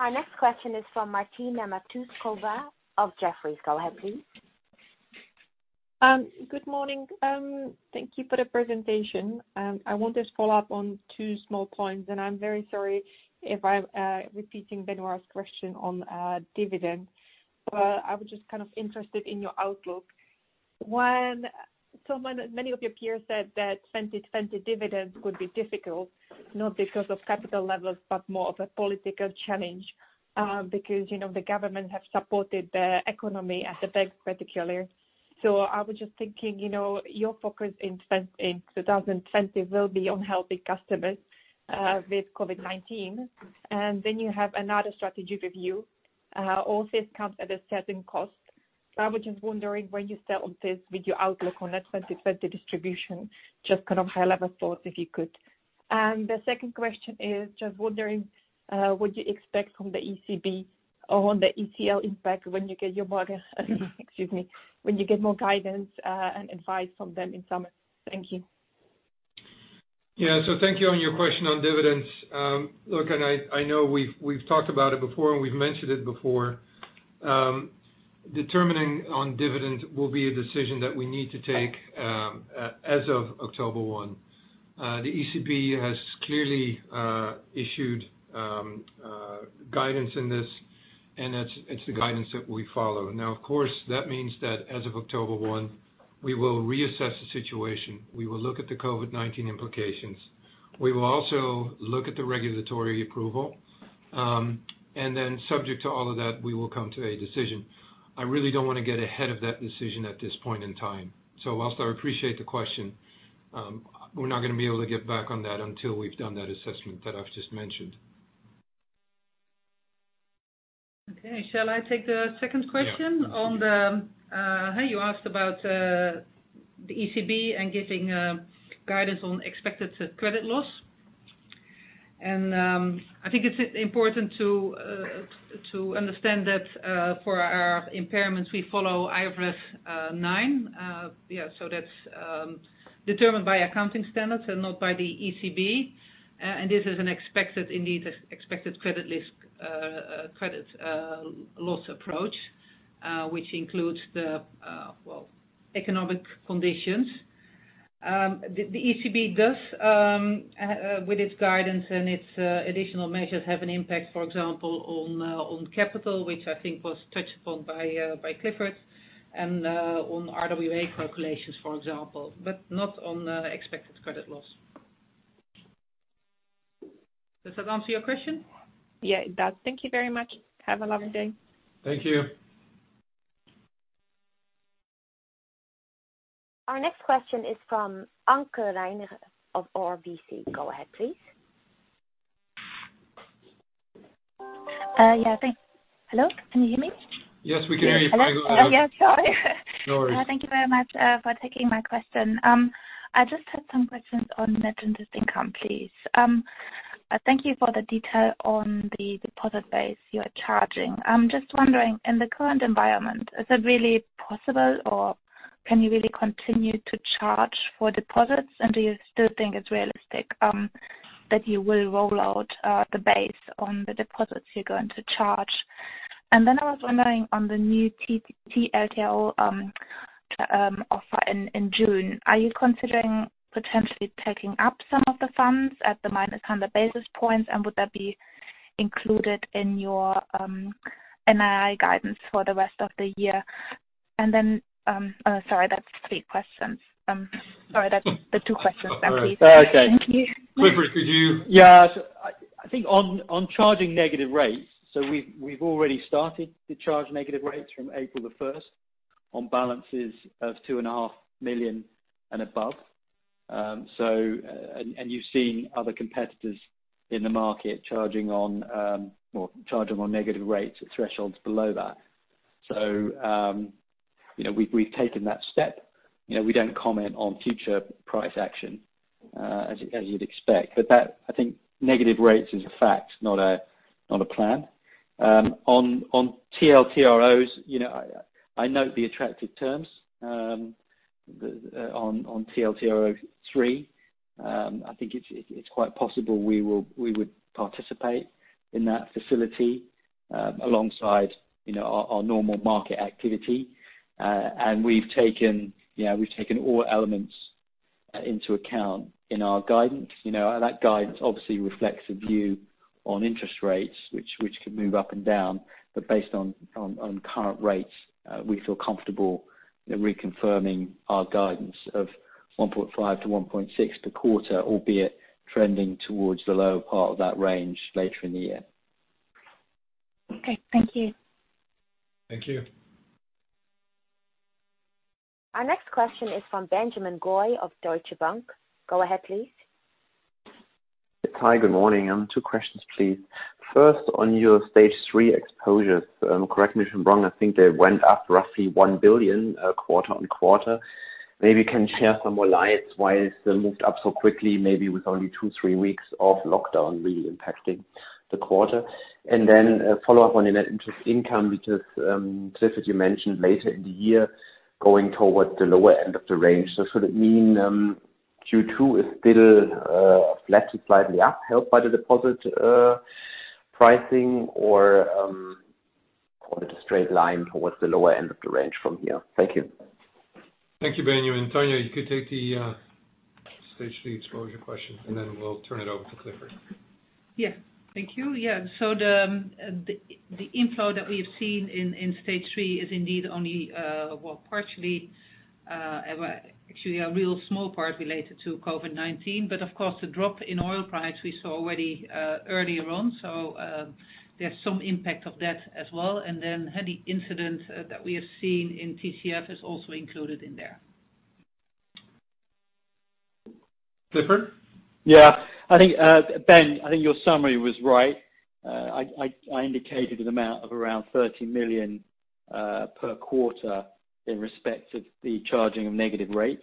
Our next question is from Martina Matouskova of Jefferies. Go ahead, please. Good morning. Thank you for the presentation. I want to follow up on two small points, and I'm very sorry if I'm repeating Benoit's question on dividends, but I was just kind of interested in your outlook. Many of your peers said that 2020 dividends would be difficult, not because of capital levels, but more of a political challenge. Because the government have supported the economy and the banks particularly. I was just thinking, your focus in 2020 will be on helping customers with COVID-19. Then you have another strategy review. All this comes at a certain cost. I was just wondering where you stand on this with your outlook on that 2020 distribution, just high-level thoughts, if you could. The second question is just wondering what you expect from the ECB or on the ECL impact when you get more guidance and advice from them in summer. Thank you. Thank you on your question on dividends. Look, I know we've talked about it before, we've mentioned it before. Determining on dividend will be a decision that we need to take as of October 1. The ECB has clearly issued guidance in this, and it's the guidance that we follow. Of course, that means that as of October 1, we will reassess the situation. We will look at the COVID-19 implications. We will also look at the regulatory approval. Then subject to all of that, we will come to a decision. I really don't want to get ahead of that decision at this point in time. Whilst I appreciate the question, we're not going to be able to get back on that until we've done that assessment that I've just mentioned. Okay. Shall I take the second question on the. You asked about the ECB and getting guidance on expected credit loss. I think it's important to understand that for our impairments, we follow IFRS 9. That's determined by accounting standards and not by the ECB. This is an expected credit risk, credit loss approach, which includes the economic conditions. The ECB does with its guidance and its additional measures have an impact, for example, on capital, which I think was touched upon by Clifford, and on RWA calculations, for example, but not on the expected credit loss. Does that answer your question? Yeah, it does. Thank you very much. Have a lovely day. Thank you. Our next question is from Anke Reingen of RBC Capital Markets. Go ahead, please. Yeah, thanks. Hello, can you hear me? Yes, we can hear you. Hello. Yes. Sorry. No worries. Thank you very much for taking my question. I just had some questions on net interest income, please. Thank you for the detail on the deposit base you are charging. I'm just wondering, in the current environment, is it really possible, or can you really continue to charge for deposits? Do you still think it's realistic that you will roll out the base on the deposits you're going to charge? I was wondering on the new TLTRO offer in June. Are you considering potentially taking up some of the funds at the -100 basis points, and would that be included in your NII guidance for the rest of the year? Sorry, that's three questions. Sorry, that's the two questions then, please. Okay. Thank you. Clifford, I think on charging negative rates, we've already started to charge negative rates from April the 1st on balances of 2.5 million and above. You've seen other competitors in the market charging on negative rates at thresholds below that. We've taken that step. We don't comment on future price action, as you'd expect. That, I think negative rates is a fact, not a plan. On TLTROs, I note the attractive terms on TLTRO III. I think it's quite possible we would participate in that facility, alongside our normal market activity. We've taken all elements into account in our guidance. That guidance obviously reflects a view on interest rates, which can move up and down. Based on current rates, we feel comfortable reconfirming our guidance of 1.5-1.6 per quarter, albeit trending towards the lower part of that range later in the year. Okay. Thank you. Thank you. Our next question is from Benjamin Goy of Deutsche Bank. Go ahead, please. Hi. Good morning. Two questions, please. First, on your Stage 3 exposures, correct me if I'm wrong, I think they went up roughly 1 billion quarter-on-quarter. Maybe you can share some more lights why it's moved up so quickly, maybe with only two, three weeks of lockdown really impacting the quarter. A follow-up on your NII, because, Clifford, you mentioned later in the year, going towards the lower end of the range. Should it mean Q2 is still flat to slightly up, helped by the deposit pricing or just straight line towards the lower end of the range from here? Thank you. Thank you, Benjamin. Tanja, you could take the stage 3 exposure question, then we'll turn it over to Clifford. Yeah. Thank you. The inflow that we've seen in stage 3 is indeed only, well, partially, actually a real small part related to COVID-19. Of course, the drop in oil price we saw already earlier on. There's some impact of that as well. Any incident that we have seen in TCF is also included in there. Clifford? Ben, I think your summary was right. I indicated an amount of around 30 million per quarter in respect of the charging of negative rates.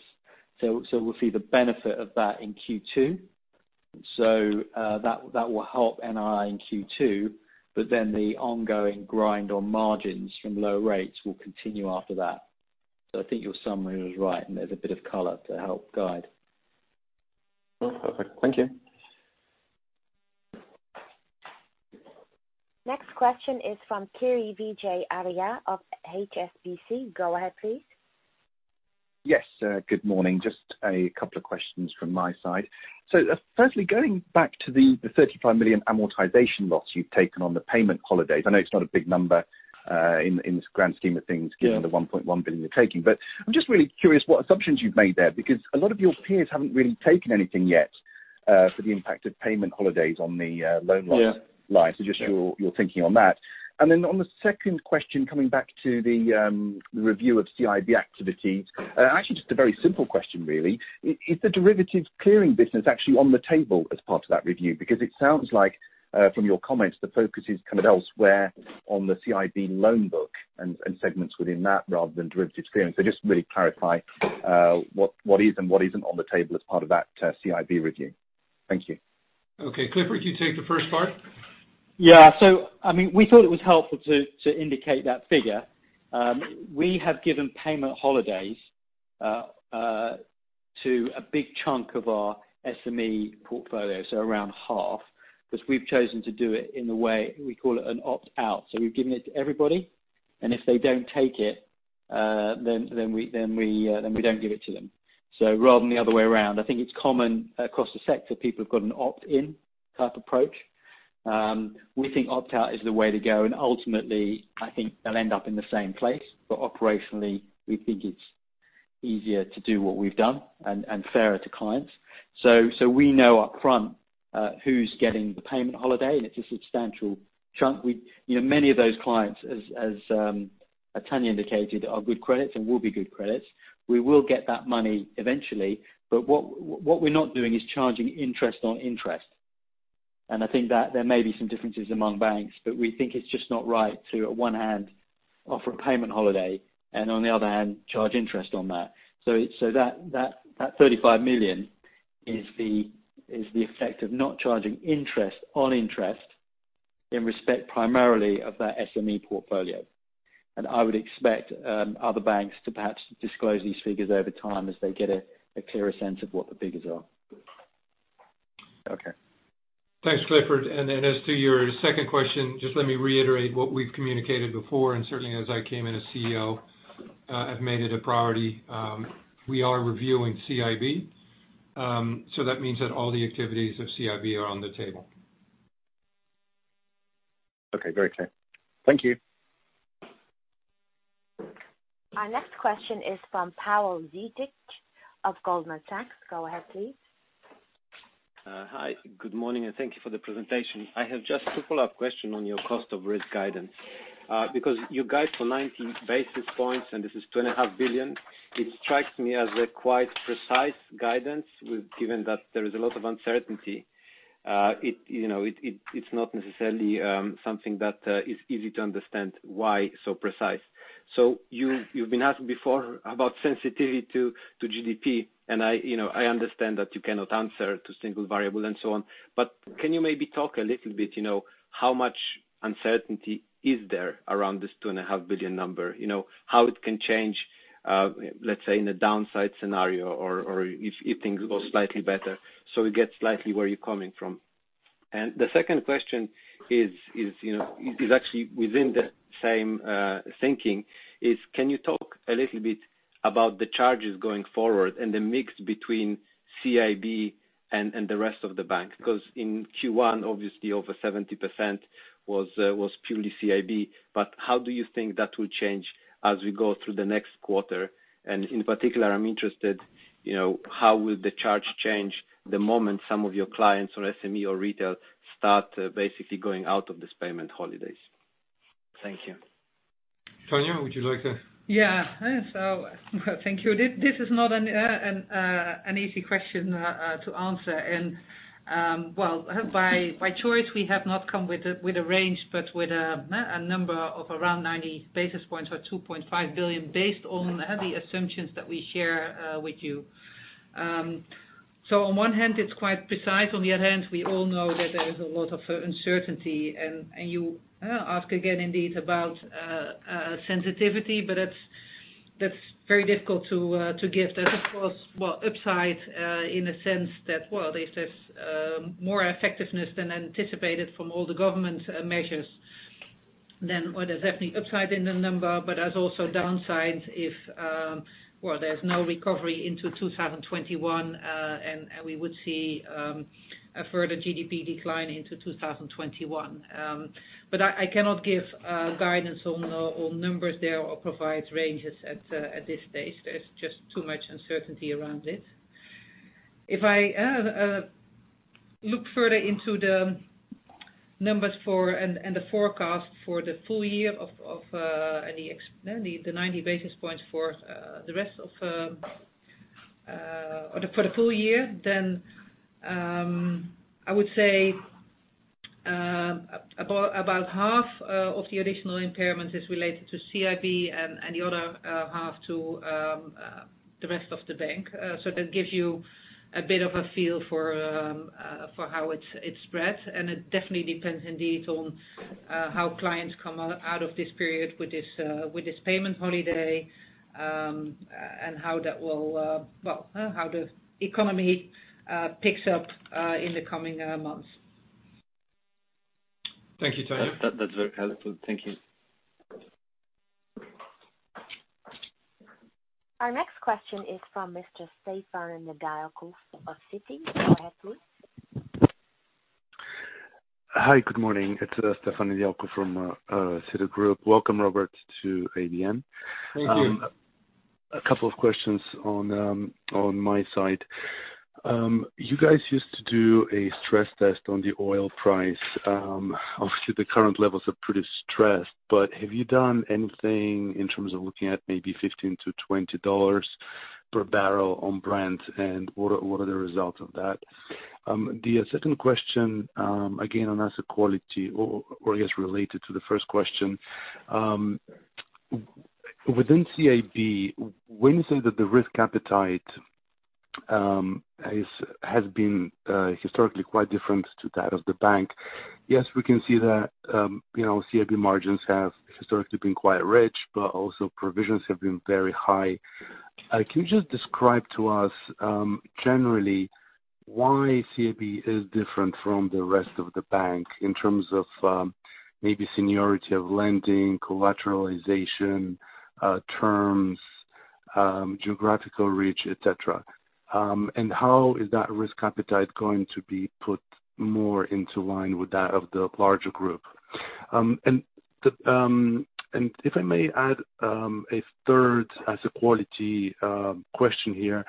We'll see the benefit of that in Q2. That will help NII in Q2, but then the ongoing grind on margins from low rates will continue after that. I think your summary was right, and there's a bit of color to help guide. Perfect. Thank you. Next question is from Kiri Vijayarajah of HSBC. Go ahead, please. Yes. Good morning. Just a couple of questions from my side. Firstly, going back to the 35 million amortization loss you've taken on the payment holidays, I know it's not a big number in the grand scheme of things. Yeah given the 1.1 billion you're taking. I'm just really curious what assumptions you've made there, because a lot of your peers haven't really taken anything yet for the impact of payment holidays on the loan loss line. Yeah. Just your thinking on that. On the second question, coming back to the review of CIB activities. Actually, just a very simple question, really. Is the derivatives clearing business actually on the table as part of that review? It sounds like from your comments, the focus is elsewhere on the CIB loan book and segments within that rather than derivatives clearing. Just really clarify what is and what isn't on the table as part of that CIB review. Thank you. Okay. Clifford, you take the first part. We thought it was helpful to indicate that figure. We have given payment holidays to a big chunk of our SME portfolio, around half. We've chosen to do it in the way, we call it an opt-out. We've given it to everybody, and if they don't take it, then we don't give it to them. Rather than the other way around. I think it's common across the sector. People have got an opt-in type approach. We think opt-out is the way to go, and ultimately, I think they'll end up in the same place. Operationally, we think it's easier to do what we've done and fairer to clients. We know upfront who's getting the payment holiday, and it's a substantial chunk. Many of those clients, as Tanja indicated, are good credits and will be good credits. We will get that money eventually. What we're not doing is charging interest on interest. I think that there may be some differences among banks, but we think it's just not right to, at one hand, offer a payment holiday, and on the other hand, charge interest on that. That 35 million is the effect of not charging interest on interest in respect primarily of that SME portfolio. I would expect other banks to perhaps disclose these figures over time as they get a clearer sense of what the figures are. Okay. Thanks, Clifford. As to your second question, just let me reiterate what we've communicated before and certainly as I came in as CEO, I've made it a priority. We are reviewing CIB. That means that all the activities of CIB are on the table. Okay, very clear. Thank you. Our next question is from Pawel Zdybek of Goldman Sachs. Go ahead, please. Hi, good morning, and thank you for the presentation. I have just a couple of questions on your cost of risk guidance. Because you guide for 90 basis points, and this is 2.5 Billion. It strikes me as a quite precise guidance, given that there is a lot of uncertainty. It's not necessarily something that is easy to understand why so precise. You've been asked before about sensitivity to GDP, and I understand that you cannot answer to single variable and so on. Can you maybe talk a little bit, how much uncertainty is there around this 2.5 Number? How it can change, let's say, in a downside scenario or if things go slightly better, so we get slightly where you're coming from. The second question is actually within the same thinking, is can you talk a little bit about the charges going forward and the mix between CIB and the rest of the bank? In Q1, obviously over 70% was purely CIB. How do you think that will change as we go through the next quarter? In particular, I'm interested, how will the charge change the moment some of your clients on SME or retail start basically going out of this payment holidays? Thank you. Tanja, would you like that? Yeah. Thank you. This is not an easy question to answer. Well, by choice, we have not come with a range, but with a number of around 90 basis points or 2.5 billion based on the assumptions that we share with you. On one hand, it's quite precise. On the other hand, we all know that there is a lot of uncertainty. You ask again indeed about sensitivity, but that's very difficult to give. There's, of course, well, upside in a sense that, well, there's this more effectiveness than anticipated from all the government measures than what is happening upside in the number. There's also downsides if there's no recovery into 2021, and we would see a further GDP decline into 2021. I cannot give guidance on numbers there or provide ranges at this stage. There's just too much uncertainty around it. If I look further into the numbers for and the forecast for the full year of the 90 basis points or for the full year, I would say about half of the additional impairment is related to CIB and the other half to the rest of the bank. That gives you a bit of a feel for how it spreads, and it definitely depends indeed on how clients come out of this period with this payment holiday, and how the economy picks up in the coming months. Thank you, Tanja. That's very helpful. Thank you. Our next question is from Mr. Stefan Nedialkov of Citi. Go ahead, please. Hi, good morning. It's Stefan Nedialkov from Citigroup. Welcome, Robert, to ABN. Thank you. A couple of questions on my side. You guys used to do a stress test on the oil price. Obviously, the current levels are pretty stressed, have you done anything in terms of looking at maybe $15-$20 per barrel on Brent, and what are the results of that? The second question, again, on asset quality, or I guess related to the first question. Within CIB, when you say that the risk appetite has been historically quite different to that of the bank, yes, we can see that CIB margins have historically been quite rich, but also provisions have been very high. Can you just describe to us generally why CIB is different from the rest of the bank in terms of maybe seniority of lending, collateralization, terms, geographical reach, et cetera. How is that risk appetite going to be put more into line with that of the larger group? If I may add a third asset quality question here.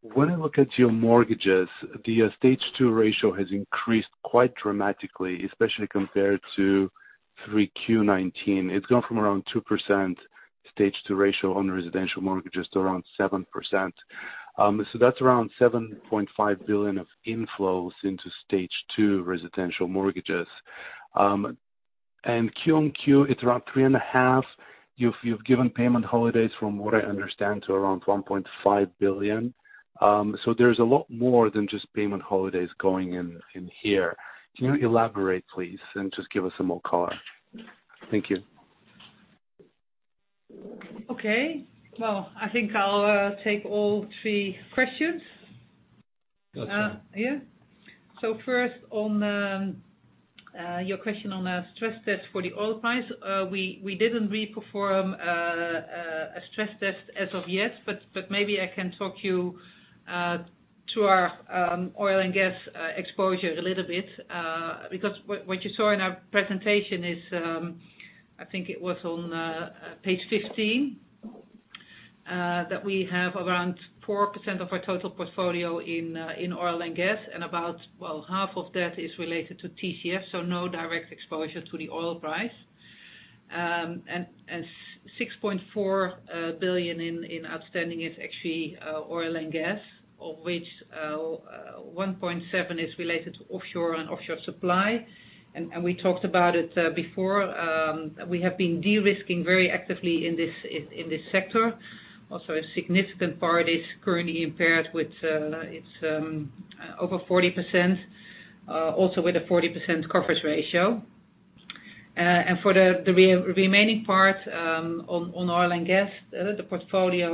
When I look at your mortgages, the Stage 2 ratio has increased quite dramatically, especially compared to 3Q 2019. It's gone from around 2% Stage 2 ratio on residential mortgages to around 7%. That's around 7.5 billion of inflows into Stage 2 residential mortgages. Q-on-Q, it's around three and a half. You've given payment holidays, from what I understand, to around 1.5 billion. There's a lot more than just payment holidays going in here. Can you elaborate, please, and just give us some more color? Thank you. Okay. Well, I think I'll take all three questions. Go ahead. First on your question on a stress test for the oil price. We didn't re-perform a stress test as of yet, but maybe I can talk you through our oil and gas exposure a little bit. What you saw in our presentation is, I think it was on page 15, that we have around 4% of our total portfolio in oil and gas, and about half of that is related to TCF, so no direct exposure to the oil price. 6.4 billion in outstanding is actually oil and gas, of which 1.7 billion is related to offshore and offshore supply. We talked about it before, we have been de-risking very actively in this sector. Also, a significant part is currently impaired with over 40%, also with a 40% coverage ratio. For the remaining part on oil and gas, the portfolio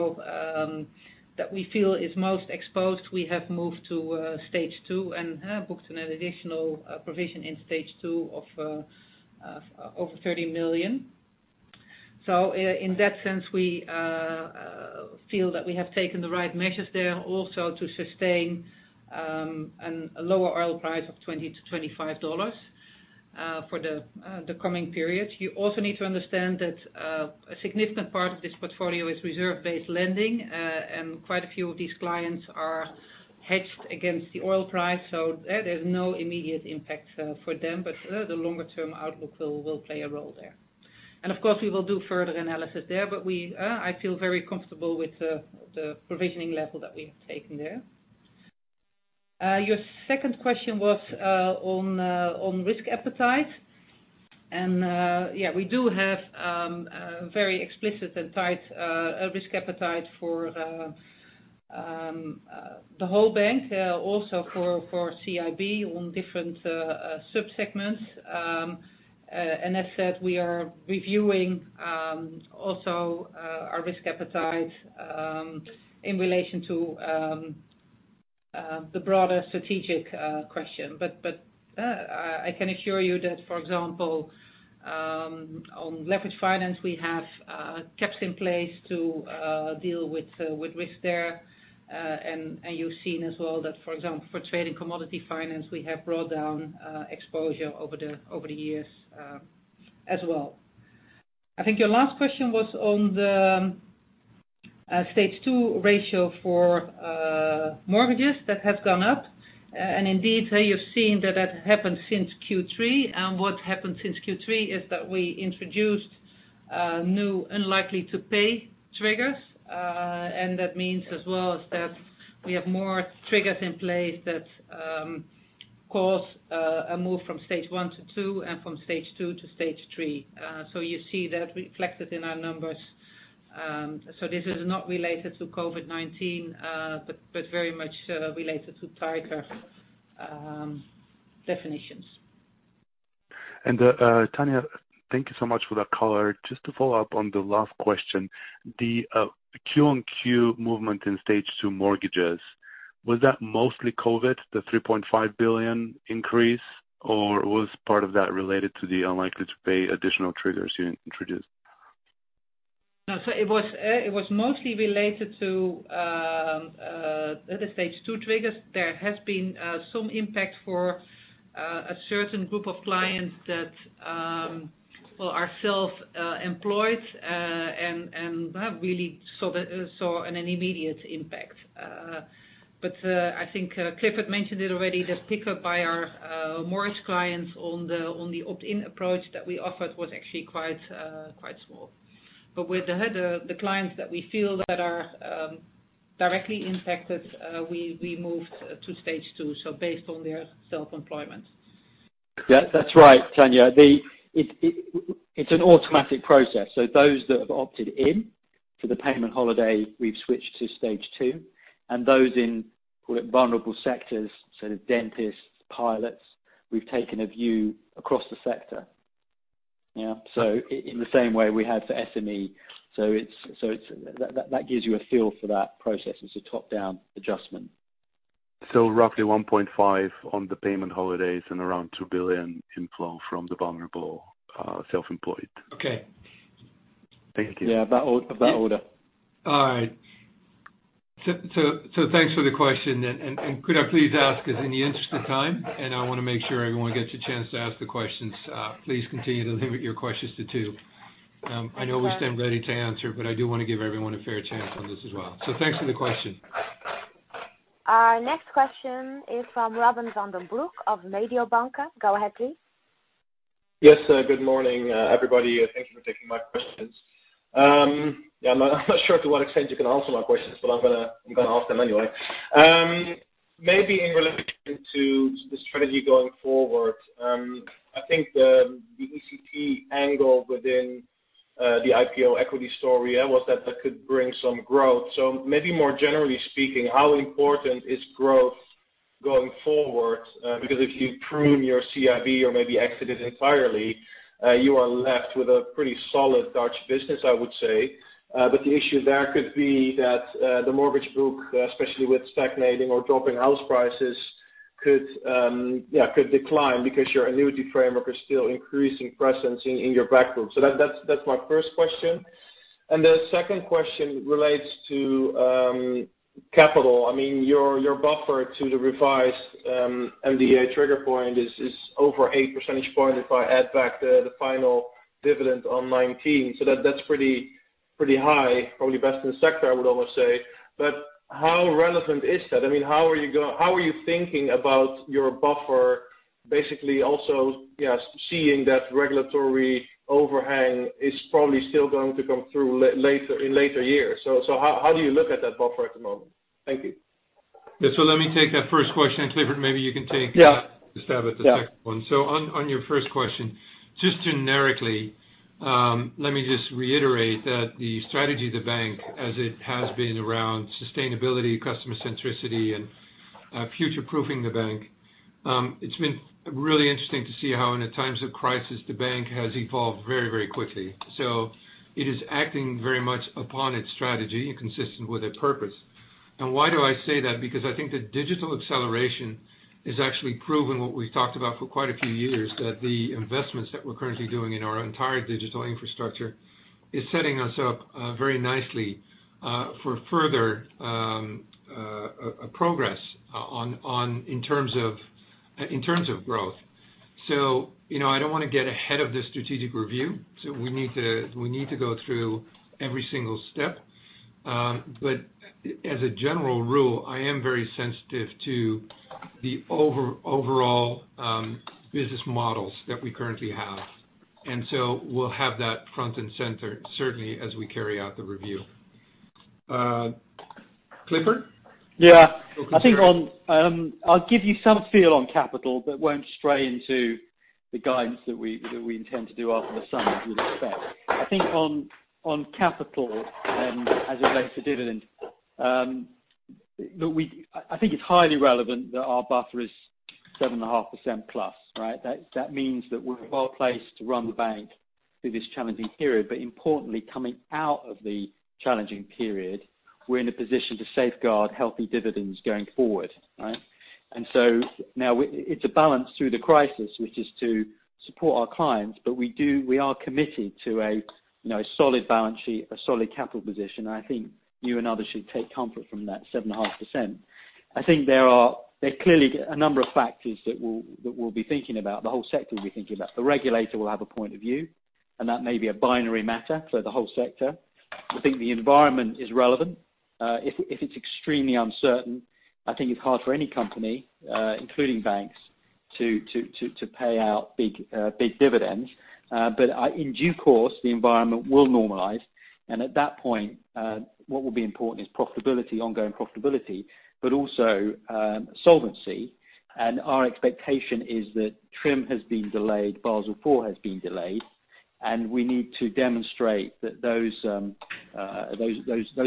that we feel is most exposed, we have moved to Stage 2 and booked an additional provision in Stage 2 of over 30 million. In that sense, we feel that we have taken the right measures there also to sustain a lower oil price of EUR 20-EUR 25 for the coming period. You also need to understand that a significant part of this portfolio is reserve-based lending. Quite a few of these clients are hedged against the oil price, so there's no immediate impact for them, but the longer-term outlook will play a role there. Of course, we will do further analysis there, but I feel very comfortable with the provisioning level that we have taken there. Your second question was on risk appetite. Yeah, we do have a very explicit and tight risk appetite for the whole bank, also for CIB on different subsegments. As said, we are reviewing also our risk appetite in relation to the broader strategic question. I can assure you that, for example, on leverage finance, we have caps in place to deal with risk there. You've seen as well that, for example, for trade and commodity finance, we have brought down exposure over the years as well. I think your last question was on the Stage 2 ratio for mortgages that have gone up. Indeed, you've seen that has happened since Q3. What happened since Q3 is that we introduced new unlikely-to-pay triggers. That means as well that we have more triggers in place that cause a move from Stage 1-2 and from Stage 2-Stage 3. You see that reflected in our numbers. This is not related to COVID-19, but very much related to tighter definitions. Tanja, thank you so much for that color. Just to follow up on the last question, the Q-on-Q movement in Stage 2 mortgages, was that mostly COVID, the 3.5 billion increase, or was part of that related to the unlikely-to-pay additional triggers you introduced? It was mostly related to the Stage 2 triggers. There has been some impact for a certain group of clients that are self-employed and really saw an immediate impact. I think Clifford mentioned it already, the pickup by our mortgage clients on the opt-in approach that we offered was actually quite small. With the clients that we feel that are directly impacted, we moved to Stage 2, so based on their self-employment. That's right, Tanja. It's an automatic process. Those that have opted in to the payment holiday, we've switched to Stage 2. Those in, call it, vulnerable sectors, so the dentists, pilots, we've taken a view across the sector. In the same way we have for SME. That gives you a feel for that process. It's a top-down adjustment. Roughly 1.5 on the payment holidays and around 2 billion inflow from the vulnerable self-employed. Okay. Thank you. Yeah, about order. All right. Thanks for the question. Could I please ask, as in the interest of time, and I want to make sure everyone gets a chance to ask the questions, please continue to limit your questions to two. I know we stand ready to answer, but I do want to give everyone a fair chance on this as well. Thanks for the question. Our next question is from Robin van den Broek of Mediobanca. Go ahead, please. Yes. Good morning, everybody. Thank you for taking my questions. Yeah, I'm not sure to what extent you can answer my questions, I'm going to ask them anyway. Maybe in relation to the strategy going forward. I think the ECT angle within the IPO equity story was that could bring some growth. Maybe more generally speaking, how important is growth going forward? If you prune your CIB or maybe exit it entirely, you are left with a pretty solid Dutch business, I would say. The issue there could be that the mortgage book, especially with stagnating or dropping house prices, could decline because your annuity framework is still increasing presence in your back book. That's my first question. The second question relates to capital. I mean, your buffer to the revised MDA trigger point is over eight percentage points if I add back the final dividend on 2019. That's pretty high, probably best in the sector, I would almost say. How relevant is that? How are you thinking about your buffer, basically also seeing that regulatory overhang is probably still going to come through in later years. How do you look at that buffer at the moment? Thank you. Yeah. Let me take that first question, and Clifford, maybe you can take. Yeah a stab at the second one. On your first question, just generically, let me just reiterate that the strategy of the bank as it has been around sustainability, customer centricity, and future-proofing the bank. It's been really interesting to see how in the times of crisis, the bank has evolved very, very quickly. It is acting very much upon its strategy and consistent with its purpose. Why do I say that? Because I think the digital acceleration has actually proven what we've talked about for quite a few years, that the investments that we're currently doing in our entire digital infrastructure is setting us up very nicely for further progress in terms of growth. I don't want to get ahead of the strategic review. We need to go through every single step. As a general rule, I am very sensitive to the overall business models that we currently have. We'll have that front and center, certainly as we carry out the review. Clifford? Yeah. Going concern. I'll give you some feel on capital but won't stray into the guidance that we intend to do after the summer, you'd expect. I think on capital and as it relates to dividend, I think it's highly relevant that our buffer is 7.5%+, right? That means that we're well-placed to run the bank through this challenging period. Importantly, coming out of the challenging period, we're in a position to safeguard healthy dividends going forward, right? Now it's a balance through the crisis, which is to support our clients, but we are committed to a solid balance sheet, a solid capital position. I think you and others should take comfort from that 7.5%. I think there are clearly a number of factors that we'll be thinking about, the whole sector will be thinking about. The regulator will have a point of view, that may be a binary matter for the whole sector. I think the environment is relevant. If it's extremely uncertain, I think it's hard for any company including banks, to pay out big dividends. In due course, the environment will normalize. At that point, what will be important is profitability, ongoing profitability, but also solvency. Our expectation is that TRIM has been delayed, Basel IV has been delayed, and we need to demonstrate that those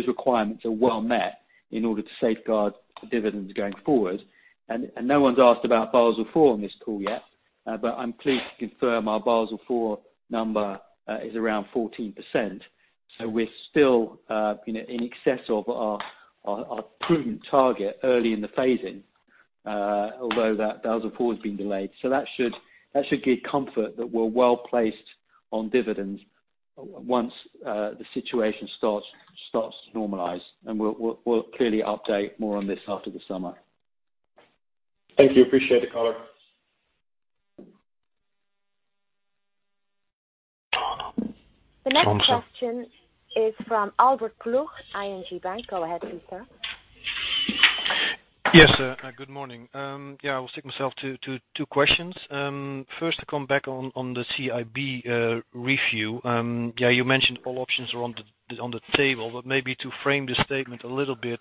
requirements are well met in order to safeguard dividends going forward. No one's asked about Basel IV on this call yet. I'm pleased to confirm our Basel IV number is around 14%. We're still in excess of our prudent target early in the phasing, although that Basel IV has been delayed. That should give comfort that we're well-placed on dividends once the situation starts to normalize. We'll clearly update more on this after the summer. Thank you. Appreciate the color. The next question is from Albert Ploegh, ING Bank. Go ahead, please sir. Yes. Good morning. I will stick myself to two questions. First, to come back on the CIB review. You mentioned all options are on the table. Maybe to frame the statement a little bit,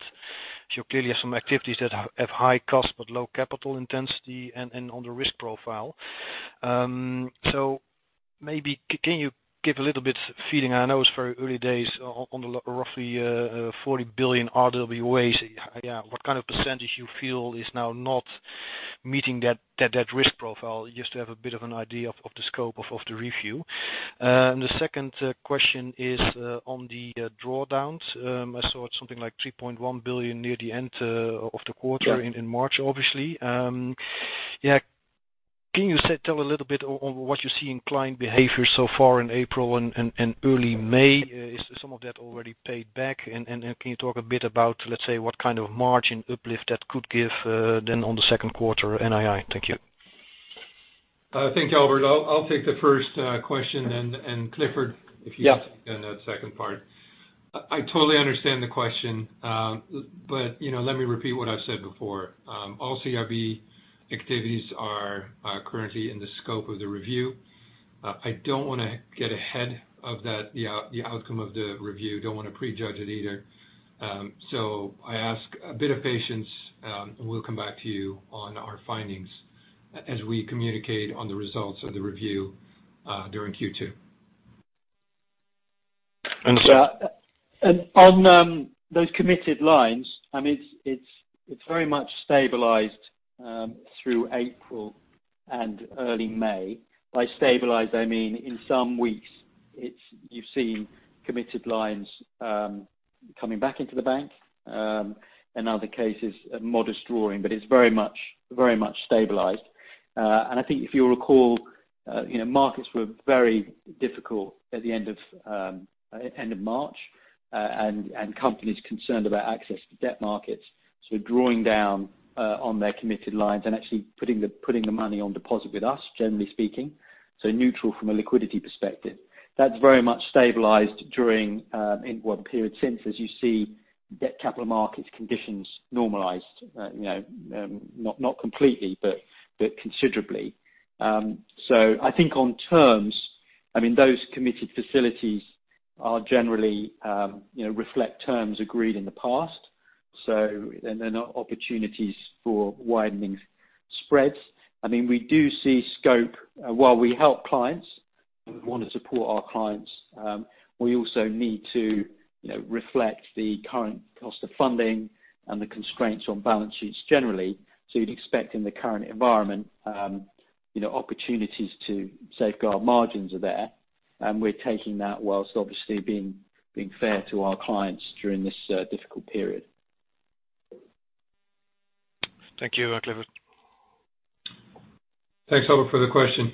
you clearly have some activities that have high cost but low capital intensity and on the risk profile. Maybe, can you give a little bit of feedback, I know it's very early days, on the roughly 40 billion RWA. What kind of percentage you feel is now not meeting that risk profile? Just to have a bit of an idea of the scope of the review. The second question is on the drawdowns. I saw it's something like 3.1 billion near the end of the quarter. Yeah in March, obviously. Can you tell a little bit on what you see in client behavior so far in April and early May? Is some of that already paid back? Can you talk a bit about, let's say, what kind of margin uplift that could give then on the second quarter NII? Thank you. Thank you, Albert. I'll take the first question, and Clifford- Yeah if you take on that second part. I totally understand the question. Let me repeat what I've said before. All CIB activities are currently in the scope of the review. I don't want to get ahead of the outcome of the review, don't want to prejudge it either. I ask a bit of patience, and we'll come back to you on our findings as we communicate on the results of the review during Q2. Understood. On those committed lines, it's very much stabilized through April and early May. By stabilized, I mean, in some weeks, you've seen committed lines coming back into the bank. In other cases, a modest drawing. It's very much stabilized. I think if you'll recall, markets were very difficult at the end of March, and companies concerned about access to debt markets. Drawing down on their committed lines and actually putting the money on deposit with us, generally speaking, so neutral from a liquidity perspective. That's very much stabilized during, well, the period since, as you see debt capital markets conditions normalized, not completely, but considerably. I think on terms, those committed facilities generally reflect terms agreed in the past. There are no opportunities for widening spreads. We do see scope while we help clients. We want to support our clients. We also need to reflect the current cost of funding and the constraints on balance sheets generally. You'd expect in the current environment, opportunities to safeguard margins are there, and we're taking that whilst obviously being fair to our clients during this difficult period. Thank you, Clifford. Thanks, Albert, for the question.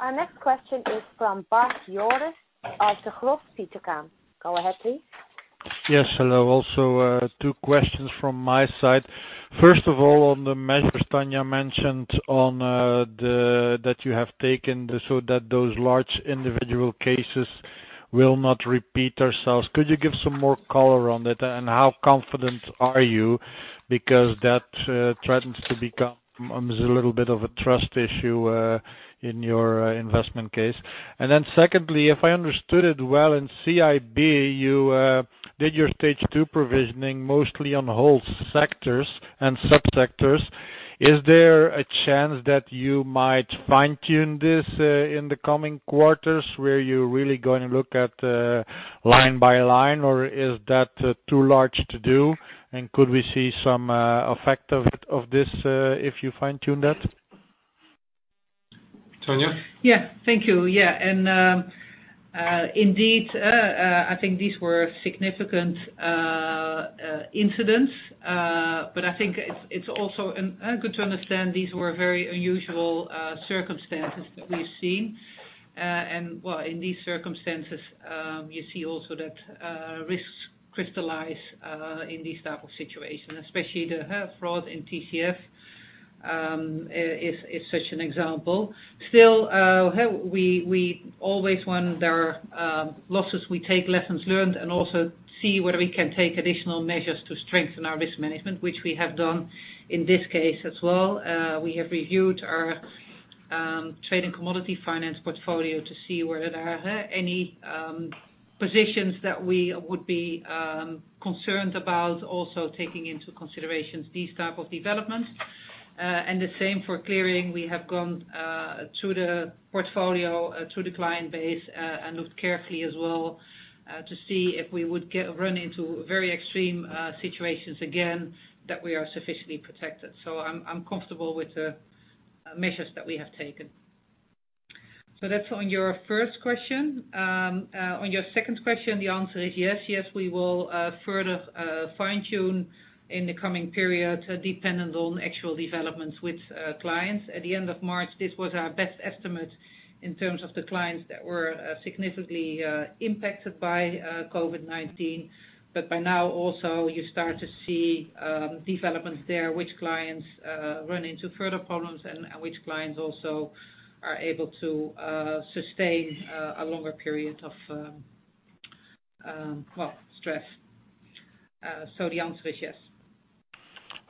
Our next question is from Bart Joris out of Degroof Petercam. Go ahead, please. Yes, hello. Two questions from my side. First of all, on the measures Tanja mentioned that you have taken so that those large individual cases will not repeat ourselves. Could you give some more color on it, how confident are you? That threatens to become a little bit of a trust issue in your investment case. Secondly, if I understood it well, in CIB, you did your Stage 2 provisioning mostly on whole sectors and sub-sectors. Is there a chance that you might fine-tune this in the coming quarters, where you're really going to look at line by line, or is that too large to do? Could we see some effect of this if you fine-tune that? Tanja? Yeah. Thank you. Indeed, I think these were significant incidents, I think it's also good to understand these were very unusual circumstances that we've seen. In these circumstances, you see also that risks crystallize in these type of situations, especially the fraud in TCF is such an example. Still, we always, when there are losses, we take lessons learned and also see whether we can take additional measures to strengthen our risk management, which we have done in this case as well. We have reviewed our trade and commodity finance portfolio to see whether there are any positions that we would be concerned about, also taking into consideration these type of developments. The same for clearing. We have gone through the portfolio, through the client base, and looked carefully as well to see if we would run into very extreme situations again that we are sufficiently protected. I'm comfortable with the measures that we have taken. That's on your first question. On your second question, the answer is yes. Yes, we will further fine-tune in the coming period, dependent on actual developments with clients. At the end of March, this was our best estimate in terms of the clients that were significantly impacted by COVID-19. By now, also, you start to see developments there, which clients run into further problems and which clients also are able to sustain a longer period of stress. The answer is yes.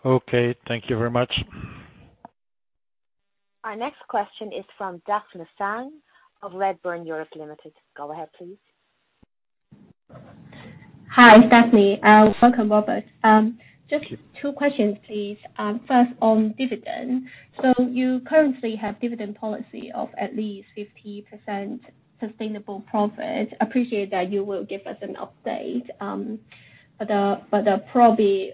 Okay. Thank you very much. Our next question is from Daphne Tsang of Redburn Europe Limited. Go ahead, please. Hi, Daphne. Welcome, Robert. Just two questions please. First on dividend. You currently have dividend policy of at least 50% sustainable profit. Appreciate that you will give us an update, but probably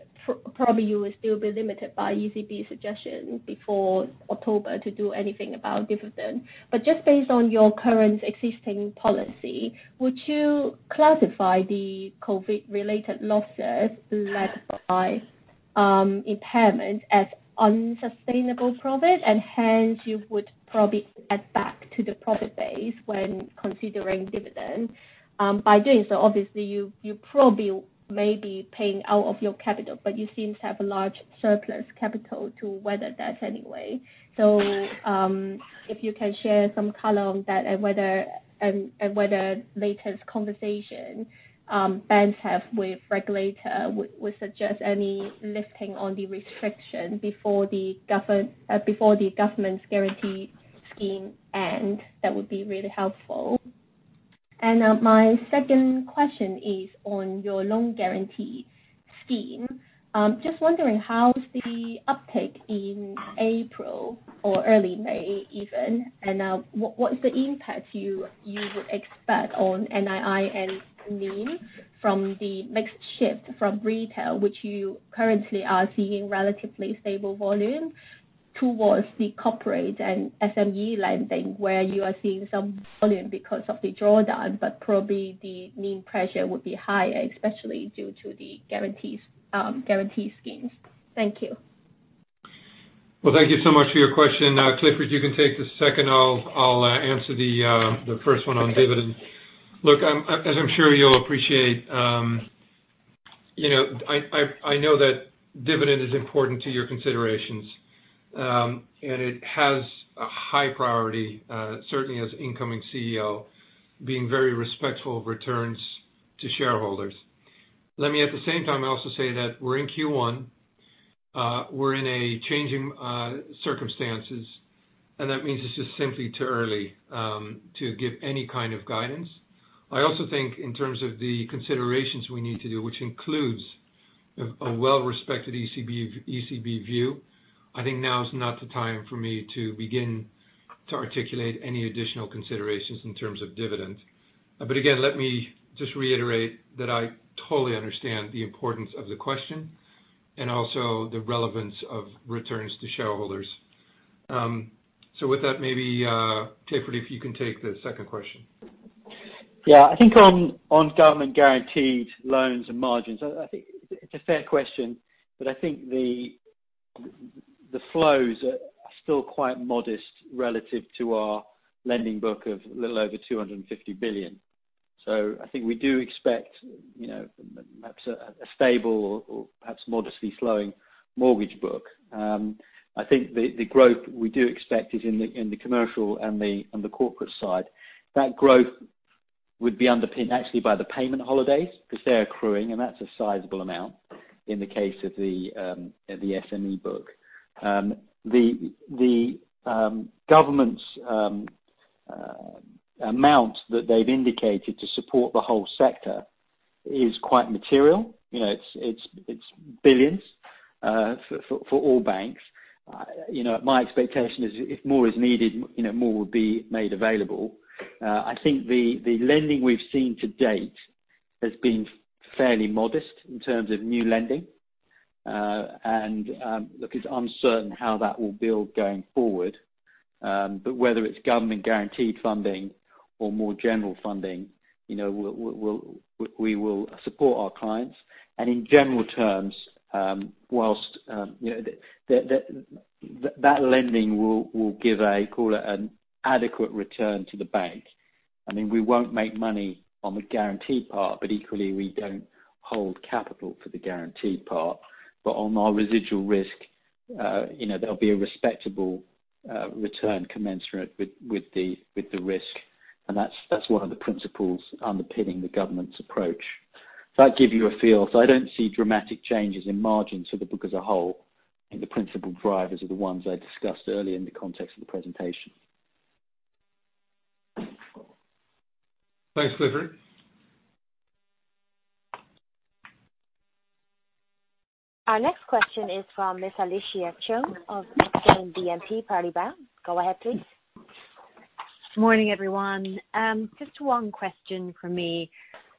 you will still be limited by ECB suggestion before October to do anything about dividend. Just based on your current existing policy, would you classify the COVID-related losses led by impairment as unsustainable profit, and hence you would probably add back to the profit base when considering dividend? By doing so, obviously, you probably may be paying out of your capital, but you seem to have a large surplus capital to weather that anyway. If you can share some color on that and whether latest conversation banks have with regulator would suggest any lifting on the restriction before the government guarantee scheme end, that would be really helpful. My second question is on your loan guarantee scheme. Just wondering how is the uptake in April or early May even, and what is the impact you would expect on NII and NIM from the mixed shift from retail, which you currently are seeing relatively stable volume towards the corporate and SME lending, where you are seeing some volume because of the drawdown, but probably the NIM pressure would be higher, especially due to the guarantee schemes. Thank you. Thank you so much for your question. Clifford, you can take the second. I'll answer the first one on dividend. Look, as I'm sure you'll appreciate, I know that dividend is important to your considerations, and it has a high priority, certainly as incoming CEO, being very respectful of returns to shareholders. Let me at the same time also say that we're in Q1, we're in a changing circumstances, and that means it's just simply too early to give any kind of guidance. I also think in terms of the considerations we need to do, which includes a well-respected ECB view, I think now is not the time for me to begin to articulate any additional considerations in terms of dividend. Again, let me just reiterate that I totally understand the importance of the question and also the relevance of returns to shareholders. With that, maybe, Clifford, if you can take the second question. I think on government guaranteed loans and margins, I think it's a fair question, but I think the flows are still quite modest relative to our lending book of a little over 250 billion. I think we do expect perhaps a stable or perhaps modestly slowing mortgage book. I think the growth we do expect is in the commercial and the corporate side. That growth would be underpinned actually by the payment holidays because they are accruing, and that's a sizable amount in the case of the SME book. The government's amounts that they've indicated to support the whole sector is quite material. It's billions of EUR for all banks. My expectation is if more is needed, more would be made available. I think the lending we've seen to date has been fairly modest in terms of new lending. Look, it's uncertain how that will build going forward. Whether it's government guaranteed funding or more general funding, we will support our clients, and in general terms, whilst that lending will give a, call it an adequate return to the bank. I mean, we won't make money on the guaranteed part, but equally, we don't hold capital for the guaranteed part. On our residual risk, there'll be a respectable return commensurate with the risk. That's one of the principles underpinning the government's approach. If that give you a feel. I don't see dramatic changes in margins for the book as a whole, and the principal drivers are the ones I discussed earlier in the context of the presentation. Thanks, Clifford. Our next question is from Miss Alicia Chung of BNP Paribas. Go ahead, please. Morning, everyone. Just one question from me.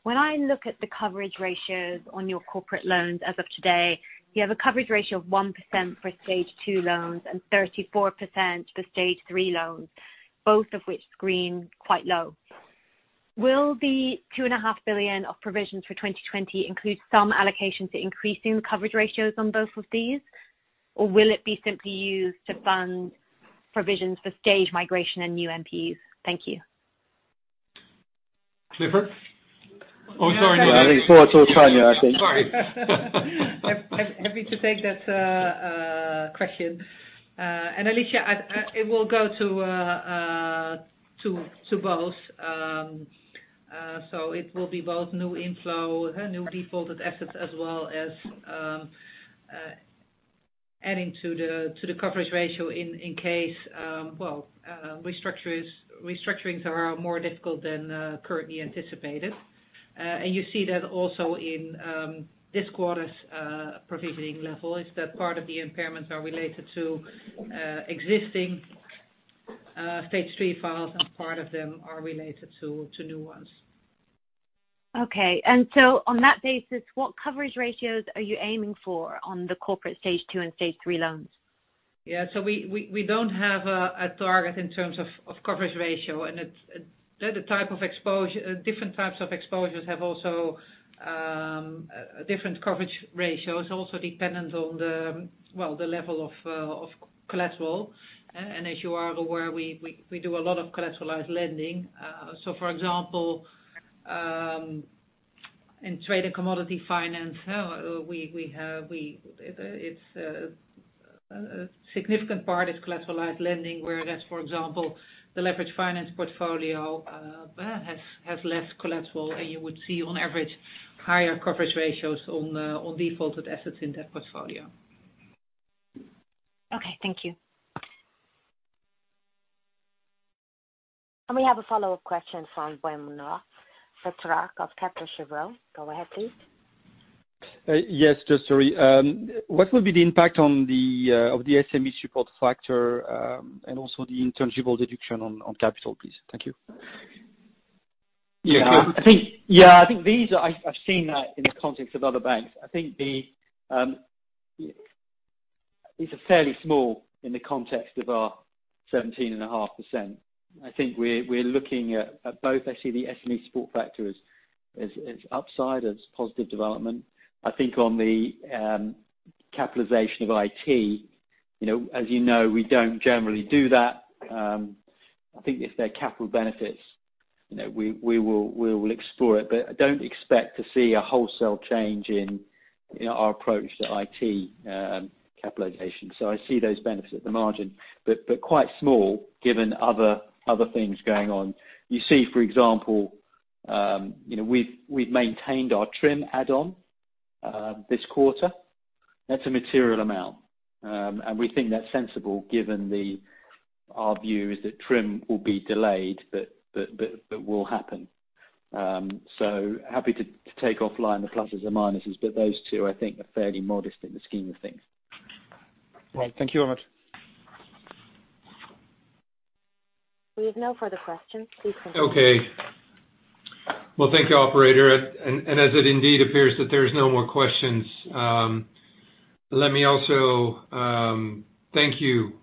When I look at the coverage ratios on your corporate loans as of today, you have a coverage ratio of 1% for Stage 2 loans and 34% for Stage 3 loans, both of which screen quite low. Will the 2.5 billion of provisions for 2020 include some allocation to increasing the coverage ratios on both of these, or will it be simply used to fund provisions for stage migration and new NPAs? Thank you. Clifford? Oh, sorry. Yeah, I think it's more towards Tanja, I think. Sorry. Happy to take that question. Alicia, it will go to both. It will be both new inflow, new defaulted assets, as well as adding to the coverage ratio in case restructurings are more difficult than currently anticipated. You see that also in this quarter's provisioning level, is that part of the impairments are related to existing Stage 3 files, and part of them are related to new ones. Okay. On that basis, what coverage ratios are you aiming for on the corporate Stage 2 and Stage 3 loans? We don't have a target in terms of coverage ratio, and different types of exposures have also different coverage ratios. Also dependent on the level of collateral. As you are aware, we do a lot of collateralized lending. For example, in trade and commodity finance, a significant part is collateralized lending, where, for example, the leverage finance portfolio has less collateral, and you would see on average higher coverage ratios on defaulted assets in that portfolio. Okay, thank you. We have a follow-up question from Guillaume Munaf, for Pétrarque of Kepler Cheuvreux. Go ahead, please. Yes, just sorry. What will be the impact of the SME support factor and also the intangible deduction on capital, please? Thank you. Yeah. I've seen that in the context of other banks. I think these are fairly small in the context of our 17.5%. I think we're looking at both. I see the SME support factor as upside, as positive development. I think on the capitalization of IT, as you know, we don't generally do that. I think if there are capital benefits, we will explore it. I don't expect to see a wholesale change in our approach to IT capitalization. I see those benefits at the margin. Quite small given other things going on. You see, for example, we've maintained our TRIM add-on this quarter. That's a material amount. We think that's sensible given our view is that TRIM will be delayed, but will happen. Happy to take offline the pluses or minuses, but those two, I think, are fairly modest in the scheme of things. Right. Thank you very much. We have no further questions. Please conclude. Okay. Well, thank you, operator. As it indeed appears that there's no more questions, let me also thank you.